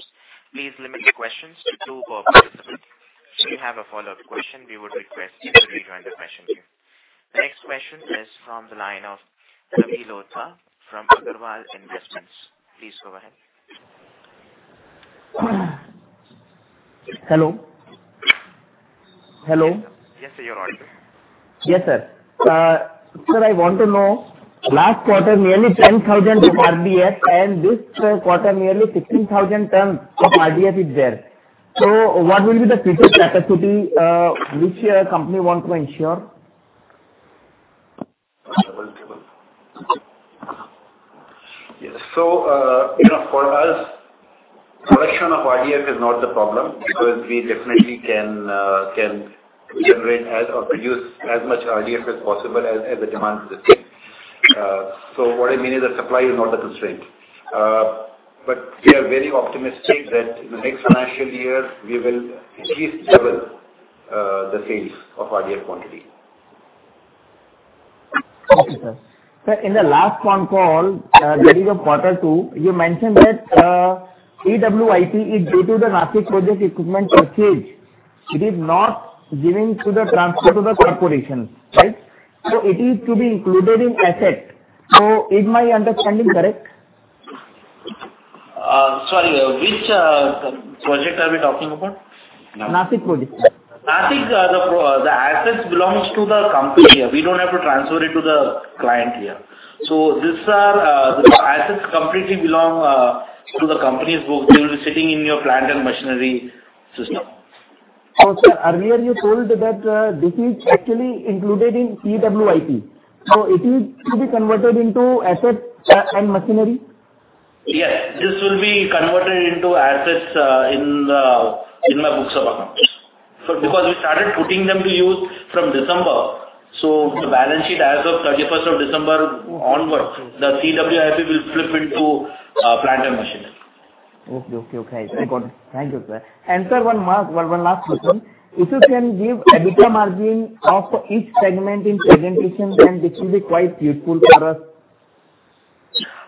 please limit your questions to two per participant. If you have a follow-up question, we would request you to rejoin the question queue. The next question is from the line of Ravi Lotha from Agarwal Investments. Please go ahead. Hello? Hello? Yes, sir. You're on. Yes, sir. sir, I want to know, last quarter nearly 10,000 of RDF, and this quarter nearly 15,000 tons of RDF is there. What will be the future capacity, which your company want to ensure? Okay. Okay. Okay. Yes. You know, for us, production of RDF is not the problem because we definitely can produce as much RDF as possible as the demand persists. What I mean is the supply is not the constraint. We are very optimistic that in the next financial year we will at least double the sales of RDF quantity. Okay, sir. Sir, in the last con call, during the Q2, you mentioned that, CWIP is due to the Nashik project equipment purchase. It is not giving to the transfer to the corporation, right? It is to be included in asset. Is my understanding correct? Sorry, which project are we talking about? Nashik project. Nashik, the assets belongs to the company. We don't have to transfer it to the client here. These are the assets completely belong to the company's book. They will be sitting in your plant and machinery system. Sir, earlier you told that, this is actually included in CWIP. It is to be converted into asset and machinery? Yes. This will be converted into assets, in my books of account. Because we started putting them to use from December, so the balance sheet as of 31st of December onwards, the CWIP will flip into plant and machinery. Okay. Okay. Okay. I got it. Thank you, sir. Sir, one last question. If you can give EBITDA margin of each segment in presentation, this will be quite useful for us.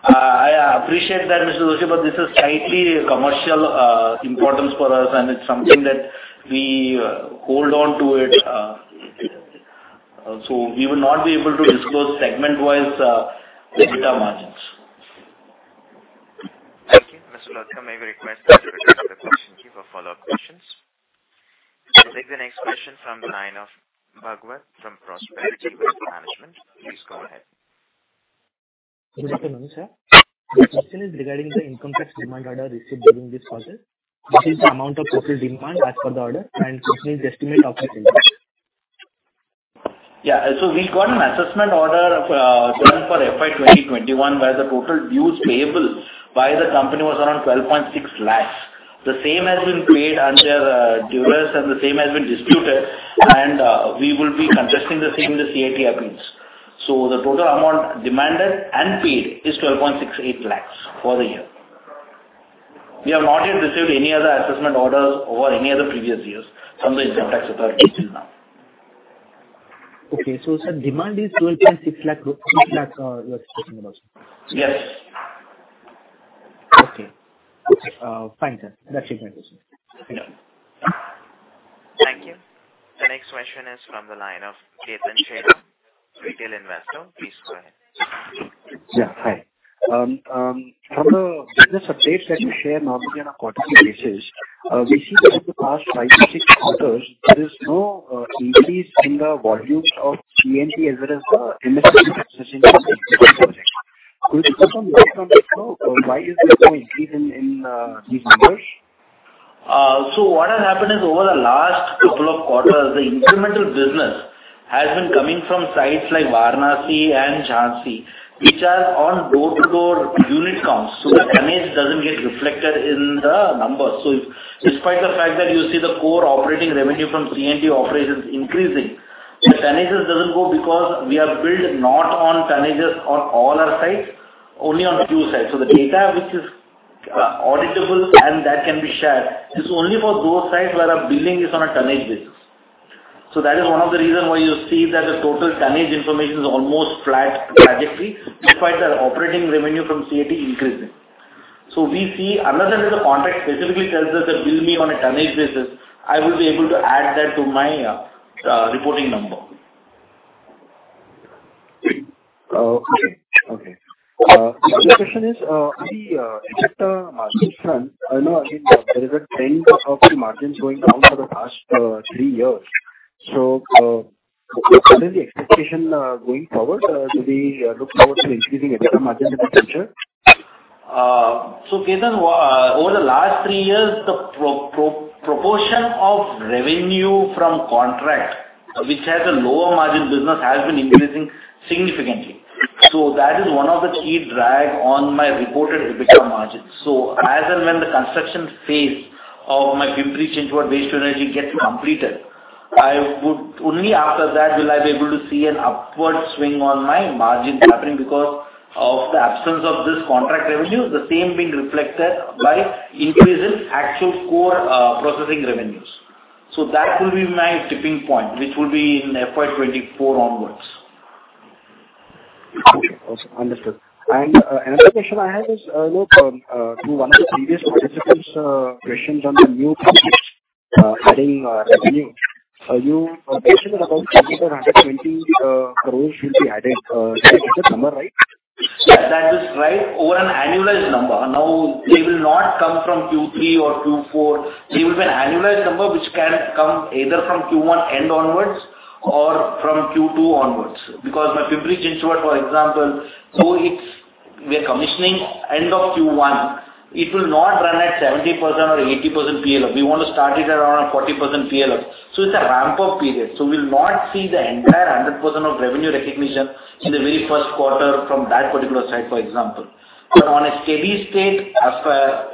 I appreciate that, Mr. Lotha, this is slightly commercial, importance for us, and it's something that we, hold on to it. We will not be able to disclose segment-wise, EBITDA margins. Thank you. Mr. Lotha, may we request that you return to the question queue for follow-up questions? I'll take the next question from the line of Bhagwat from Prosperity Wealth Management. Please go ahead. Good afternoon, sir. The question is regarding the income tax demand order received during this quarter. What is the amount of total demand as per the order, and what is the estimate of the same? Yeah. We got an assessment order of done for FY2021, where the total dues payable by the company was around 12.6 lakhs. The same has been paid under duress, and the same has been disputed. In the same, the CAT appeals. The total amount demanded and paid is 12.68 lakhs for the year. We have not yet received any other assessment orders over any other previous years from the Income Tax Authority till now. Okay. Sir, demand is 12.6 lakhs, you are stressing about? Yes. Okay. fine, sir. That's it. Thank you, sir. Yeah. Thank you. The next question is from the line of Ketan Shah, retail investor. Please go ahead. Hi, from the business updates that you share normally on a quarterly basis, we see that in the past 5 to 6 quarters, there is no increase in the volumes of C&D as well as the investment projects. Could you please elaborate on this, you know, why is there no increase in these numbers? What has happened is over the last couple of quarters, the incremental business has been coming from sites like Varanasi and Jhansi, which are on door-to-door unit counts. The tonnage doesn't get reflected in the numbers. Despite the fact that you see the core operating revenue from C&D operations increasing, the tonnages doesn't go because we are billed not on tonnages on all our sites, only on few sites. The data which is auditable and that can be shared is only for those sites where our billing is on a tonnage basis. That is one of the reason why you see that the total tonnage information is almost flat trajectory despite the operating revenue from CAT increasing. We see unless and until the contract specifically tells us that bill me on a tonnage basis, I will be able to add that to my reporting number. Oh, okay. Okay. The second question is the EBITDA margin front, I know again there is a trend of the margins going down for the past three years. What is the expectation going forward? Should we look forward to increasing EBITDA margins in the future? Ketan, over the last 3 years, the proportion of revenue from contract, which has a lower margin business, has been increasing significantly. That is one of the key drag on my reported EBITDA margins. As and when the construction phase of my Pimpri Chinchwad waste to energy gets completed, I would only after that will I be able to see an upward swing on my margins happening because of the absence of this contract revenue, the same being reflected by increase in actual core processing revenues. That will be my tipping point, which will be in FY 24 onwards. Okay. Understood. Another question I had is, you know, from to one of the previous participants' questions on the new contracts, adding revenue. You mentioned that about INR 120 crores will be added. Is this number right? Yes, that is right over an annualized number. They will not come from Q3 or Q4. They will be an annualized number which can come either from Q1 end onwards or from Q2 onwards. My Pimpri Chinchwad, for example, it's we are commissioning end of Q1, it will not run at 70% or 80% PLF. We want to start it around 40% PLF, it's a ramp-up period. We'll not see the entire 100% of revenue recognition in the very first quarter from that particular site, for example. On a steady state of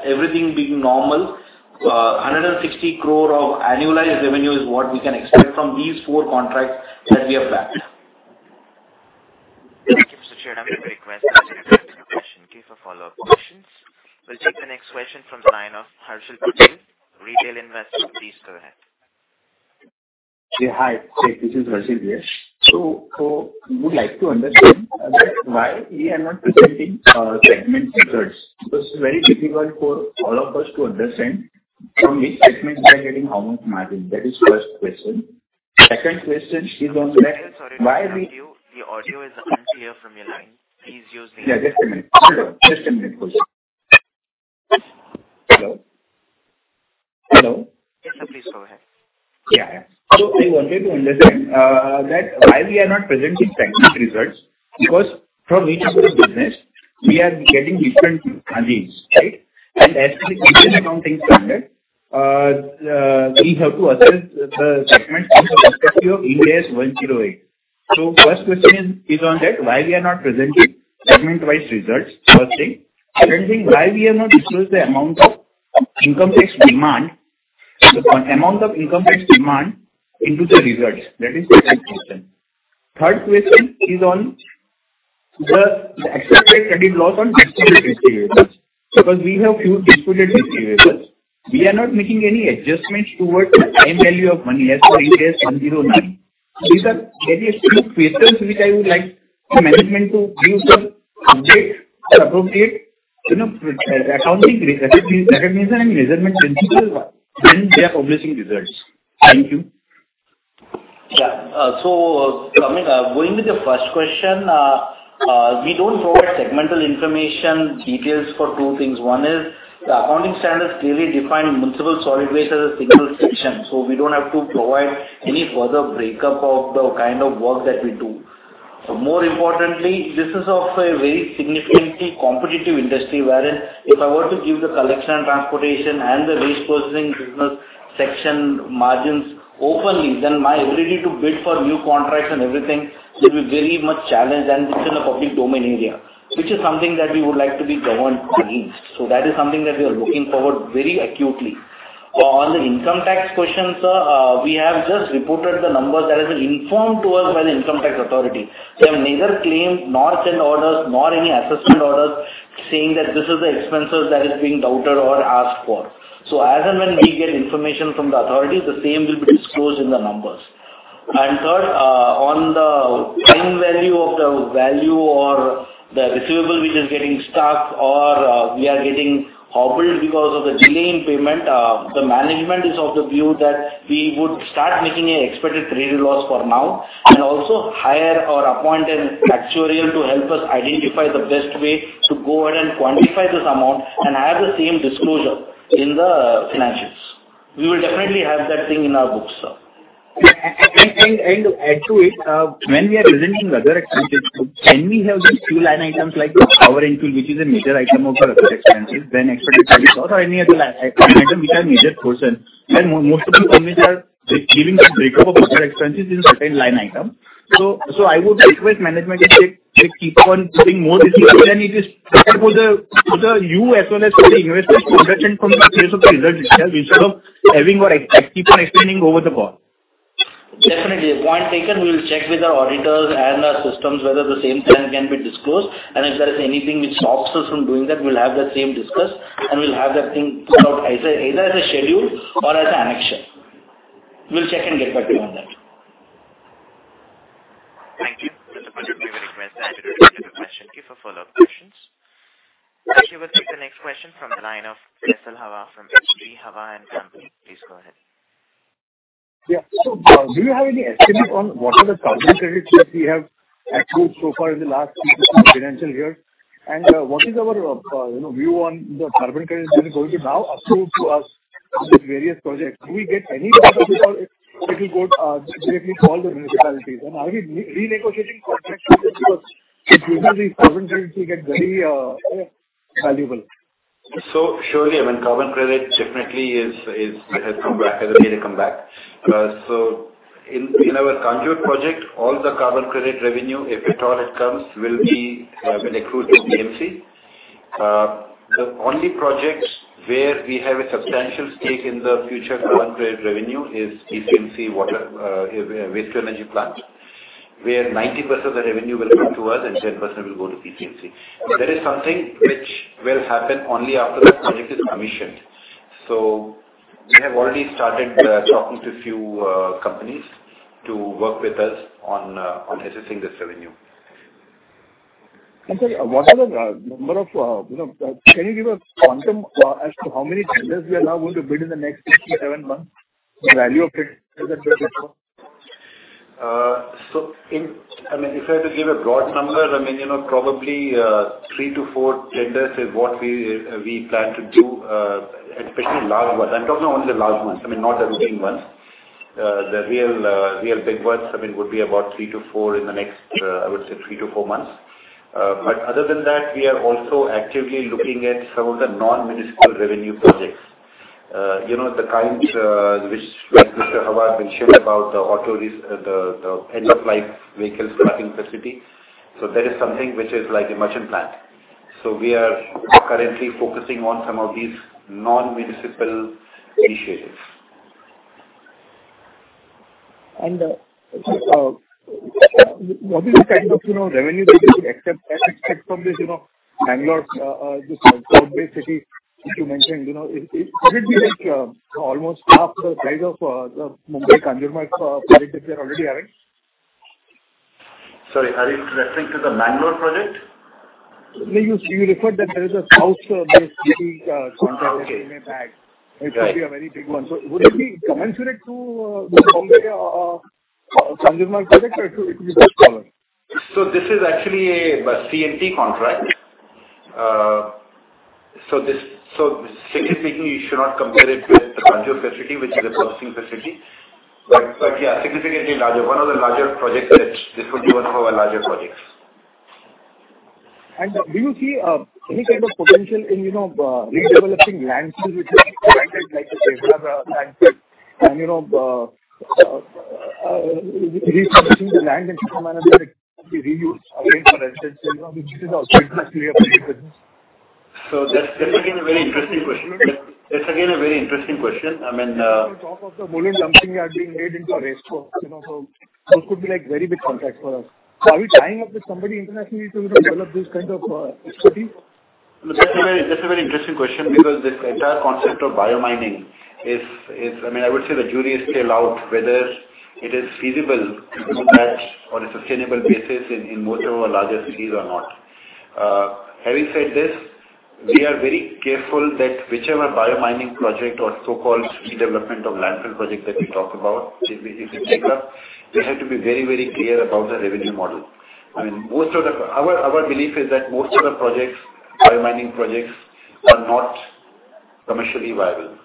everything being normal, 160 crore of annualized revenue is what we can expect from these four contracts that we have bagged. Thank you, Mr. Shah. I'm going to request that you direct your question, okay, for follow-up questions. We'll take the next question from the line of Harshal Patel, retail investor. Please go ahead. Hi. This is Harshal Patel. Would like to understand why we are not presenting segment results. It's very difficult for all of us to understand from which segments we are getting how much margin. That is first question. Second question is. Sorry to interrupt you. Your audio is unclear from your line. Please use the- Yeah, just a minute, please. Hello? Yes, sir. Please go ahead. Yeah, yeah. I wanted to understand that why we are not presenting segment results because from each of the business we are getting different margins, right? As per the Indian Accounting Standard, we have to assess the segment from the perspective of Ind AS 108. First question is on that why we are not presenting segment-wise results, first thing. Second thing, why we are not disclose the amount of income tax demand into the results? That is the second question. Third question is on the accepted credit loss on disputed receivables. Because we have few disputed receivables. We are not making any adjustments towards the time value of money as per Ind AS 109. These are very specific craters which I would like for management to give some update to appropriate, you know, accounting recognition and measurement principles when they are publishing results. Thank you. Yeah. Going with your first question, we don't provide segmental information details for two things. One is the accounting standards clearly define municipal solid waste as a single section, so we don't have to provide any further breakup of the kind of work that we do. More importantly, this is of a very significantly competitive industry wherein if I were to give the Collection & Transportation and the waste processing business section margins openly, then my ability to bid for new contracts and everything will be very much challenged, and this is a public domain area, which is something that we would like to be governed against. That is something that we are looking forward very acutely. On the income tax question, sir, we have just reported the numbers that has been informed to us by the income tax authority. We have neither claimed nor sent orders nor any assessment orders saying that this is the expenses that is being doubted or asked for. As and when we get information from the authorities, the same will be disclosed in the numbers. Third, on the time value of the value or the receivable which is getting stuck or, we are getting hobbled because of the delayed payment, the management is of the view that we would start making an expected credit loss for now and also hire or appoint an actuary to help us identify the best way to go ahead and quantify this amount and have the same disclosure in the financials. We will definitely have that thing in our books, sir. To add to it, when we are presenting other expenses, can we have these two line items like the power into which is a major item of our other expenses, then expected credit loss or any other line item which are major portion. Most of the companies are giving the breakup of other expenses in certain line item. I would request management if they keep on putting more disclosure, then it is better for the you as well as for the investors to understand from the face of the results itself instead of having or keep on explaining over the call. Definitely. Point taken. We will check with our auditors and our systems whether the same thing can be disclosed. If there is anything which stops us from doing that, we'll have the same discussed and we'll have that thing put out either as a schedule or as an action. We'll check and get back to you on that. Thank you. Mr. Pujari, we request that to be the last question. Thank you for follow-up questions. We will take the next question from the line of Faisal Hawa from H.G. Hawa & Co. Please go ahead. Yeah. Do you have any estimate on what are the carbon credits that we have accrued so far in the last few financial year? What is our, you know, view on the carbon credits that is going to now accrue to us with various projects? Do we get any benefit or it will go directly to all the municipalities? Are we renegotiating contracts because these carbon credits will get very valuable? Surely, I mean, carbon credit definitely has come back, has made a comeback. In our Kanjur project, all the carbon credit revenue, if at all it comes, will be accrued to BMC. The only project where we have a substantial stake in the future carbon credit revenue is PCMC Waste to Energy plant, where 90% of the revenue will come to us and 10% will go to PCMC. That is something which will happen only after that project is commissioned. We have already started talking to a few companies to work with us on assessing this revenue. Sir, what are the number of, you know, can you give a quantum as to how many tenders we are now going to bid in the next 60 to seven months? The value of tenders that we are bidding for? I mean, if I had to give a broad number, I mean, you know, probably, 3 to 4 tenders is what we plan to do, especially large ones. I'm talking about only the large ones, I mean, not the medium ones. The real big ones, I mean, would be about 3 to 4 in the next, I would say three to four months. Other than that, we are also actively looking at some of the non-municipal revenue projects. You know, the kind, which Mr. Hawa mentioned about the auto the end-of-life vehicle scrapping facility. That is something which is like a merchant plant. We are currently focusing on some of these non-municipal initiatives. What is the kind of, you know, revenue that you would expect from this, you know, Bangalore, this south-based city which you mentioned? You know, could it be like, almost half the size of, the Mumbai Kanjurmarg, project that you're already having? Sorry, are you referring to the Bangalore project? You referred that there is a south based city contract which you may bag. Okay. It could be a very big one. Would it be commensurate to the Bombay Kanjurmarg project or it will be much smaller? This is actually a C&T contract. Simply speaking, you should not compare it with Kanjur facility, which is a processing facility. Yeah, significantly larger. This would be one of our larger projects. Do you see any type of potential in, you know, redeveloping landfill which is like a regular landfill and, you know, repurposing the land and somehow manage it can be reused again for residential, you know, which is also exactly a very big business. That's again a very interesting question. That's again a very interesting question. I mean, On top of the volume dumping yard being made into a race course. You know, those could be like very big contracts for us. Are we tying up with somebody internationally to, you know, develop this kind of facility? That's a very interesting question because this entire concept of bio-mining is, I mean, I would say the jury is still out whether it is feasible to do that on a sustainable basis in most of our larger cities or not. Having said this, we are very careful that whichever bio-mining project or so-called redevelopment of landfill project that we talk about, which we take up, we have to be very clear about the revenue model. I mean, our belief is that most of the projects, bio-mining projects, are not commercially viable.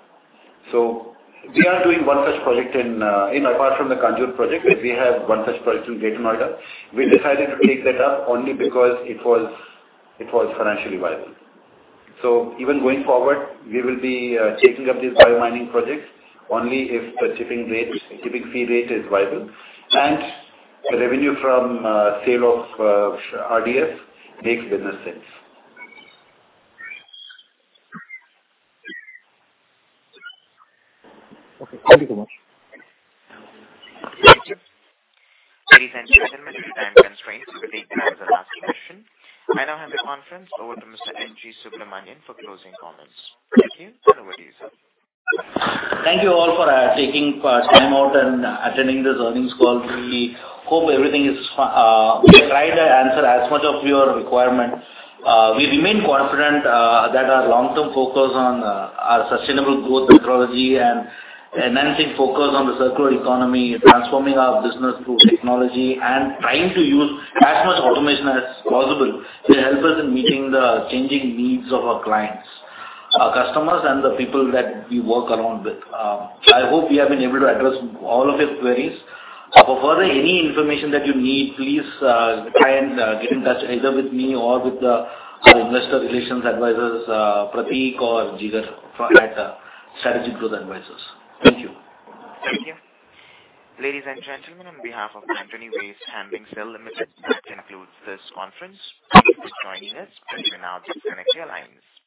We are doing one such project in apart from the Kanjur project, we have one such project in Greater Noida. We decided to take that up only because it was financially viable. Even going forward, we will be taking up these bio-mining projects only if the tipping fee rate is viable and the revenue from sale of RDF makes business sense. Okay, thank you so much. Ladies and gentlemen, due to time constraints, we take that as the last question. I now hand the conference over to Mr. NG Subramanian for closing comments. Thank you. Over to you, sir. Thank you all for taking time out and attending this earnings call. We hope everything is we have tried to answer as much of your requirement. We remain confident that our long-term focus on our sustainable growth technology and enhancing focus on the circular economy, transforming our business through technology, and trying to use as much automation as possible to help us in meeting the changing needs of our clients, our customers, and the people that we work around with. I hope we have been able to address all of your queries. For further any information that you need, please try and get in touch either with me or with our investor relations advisors, Pratik or Jigar at Strategic Growth Advisors. Thank you. Thank you. Ladies and gentlemen, on behalf of Antony Waste Handling Cell Limited, that concludes this conference. Thank you for joining us. You may now disconnect your lines.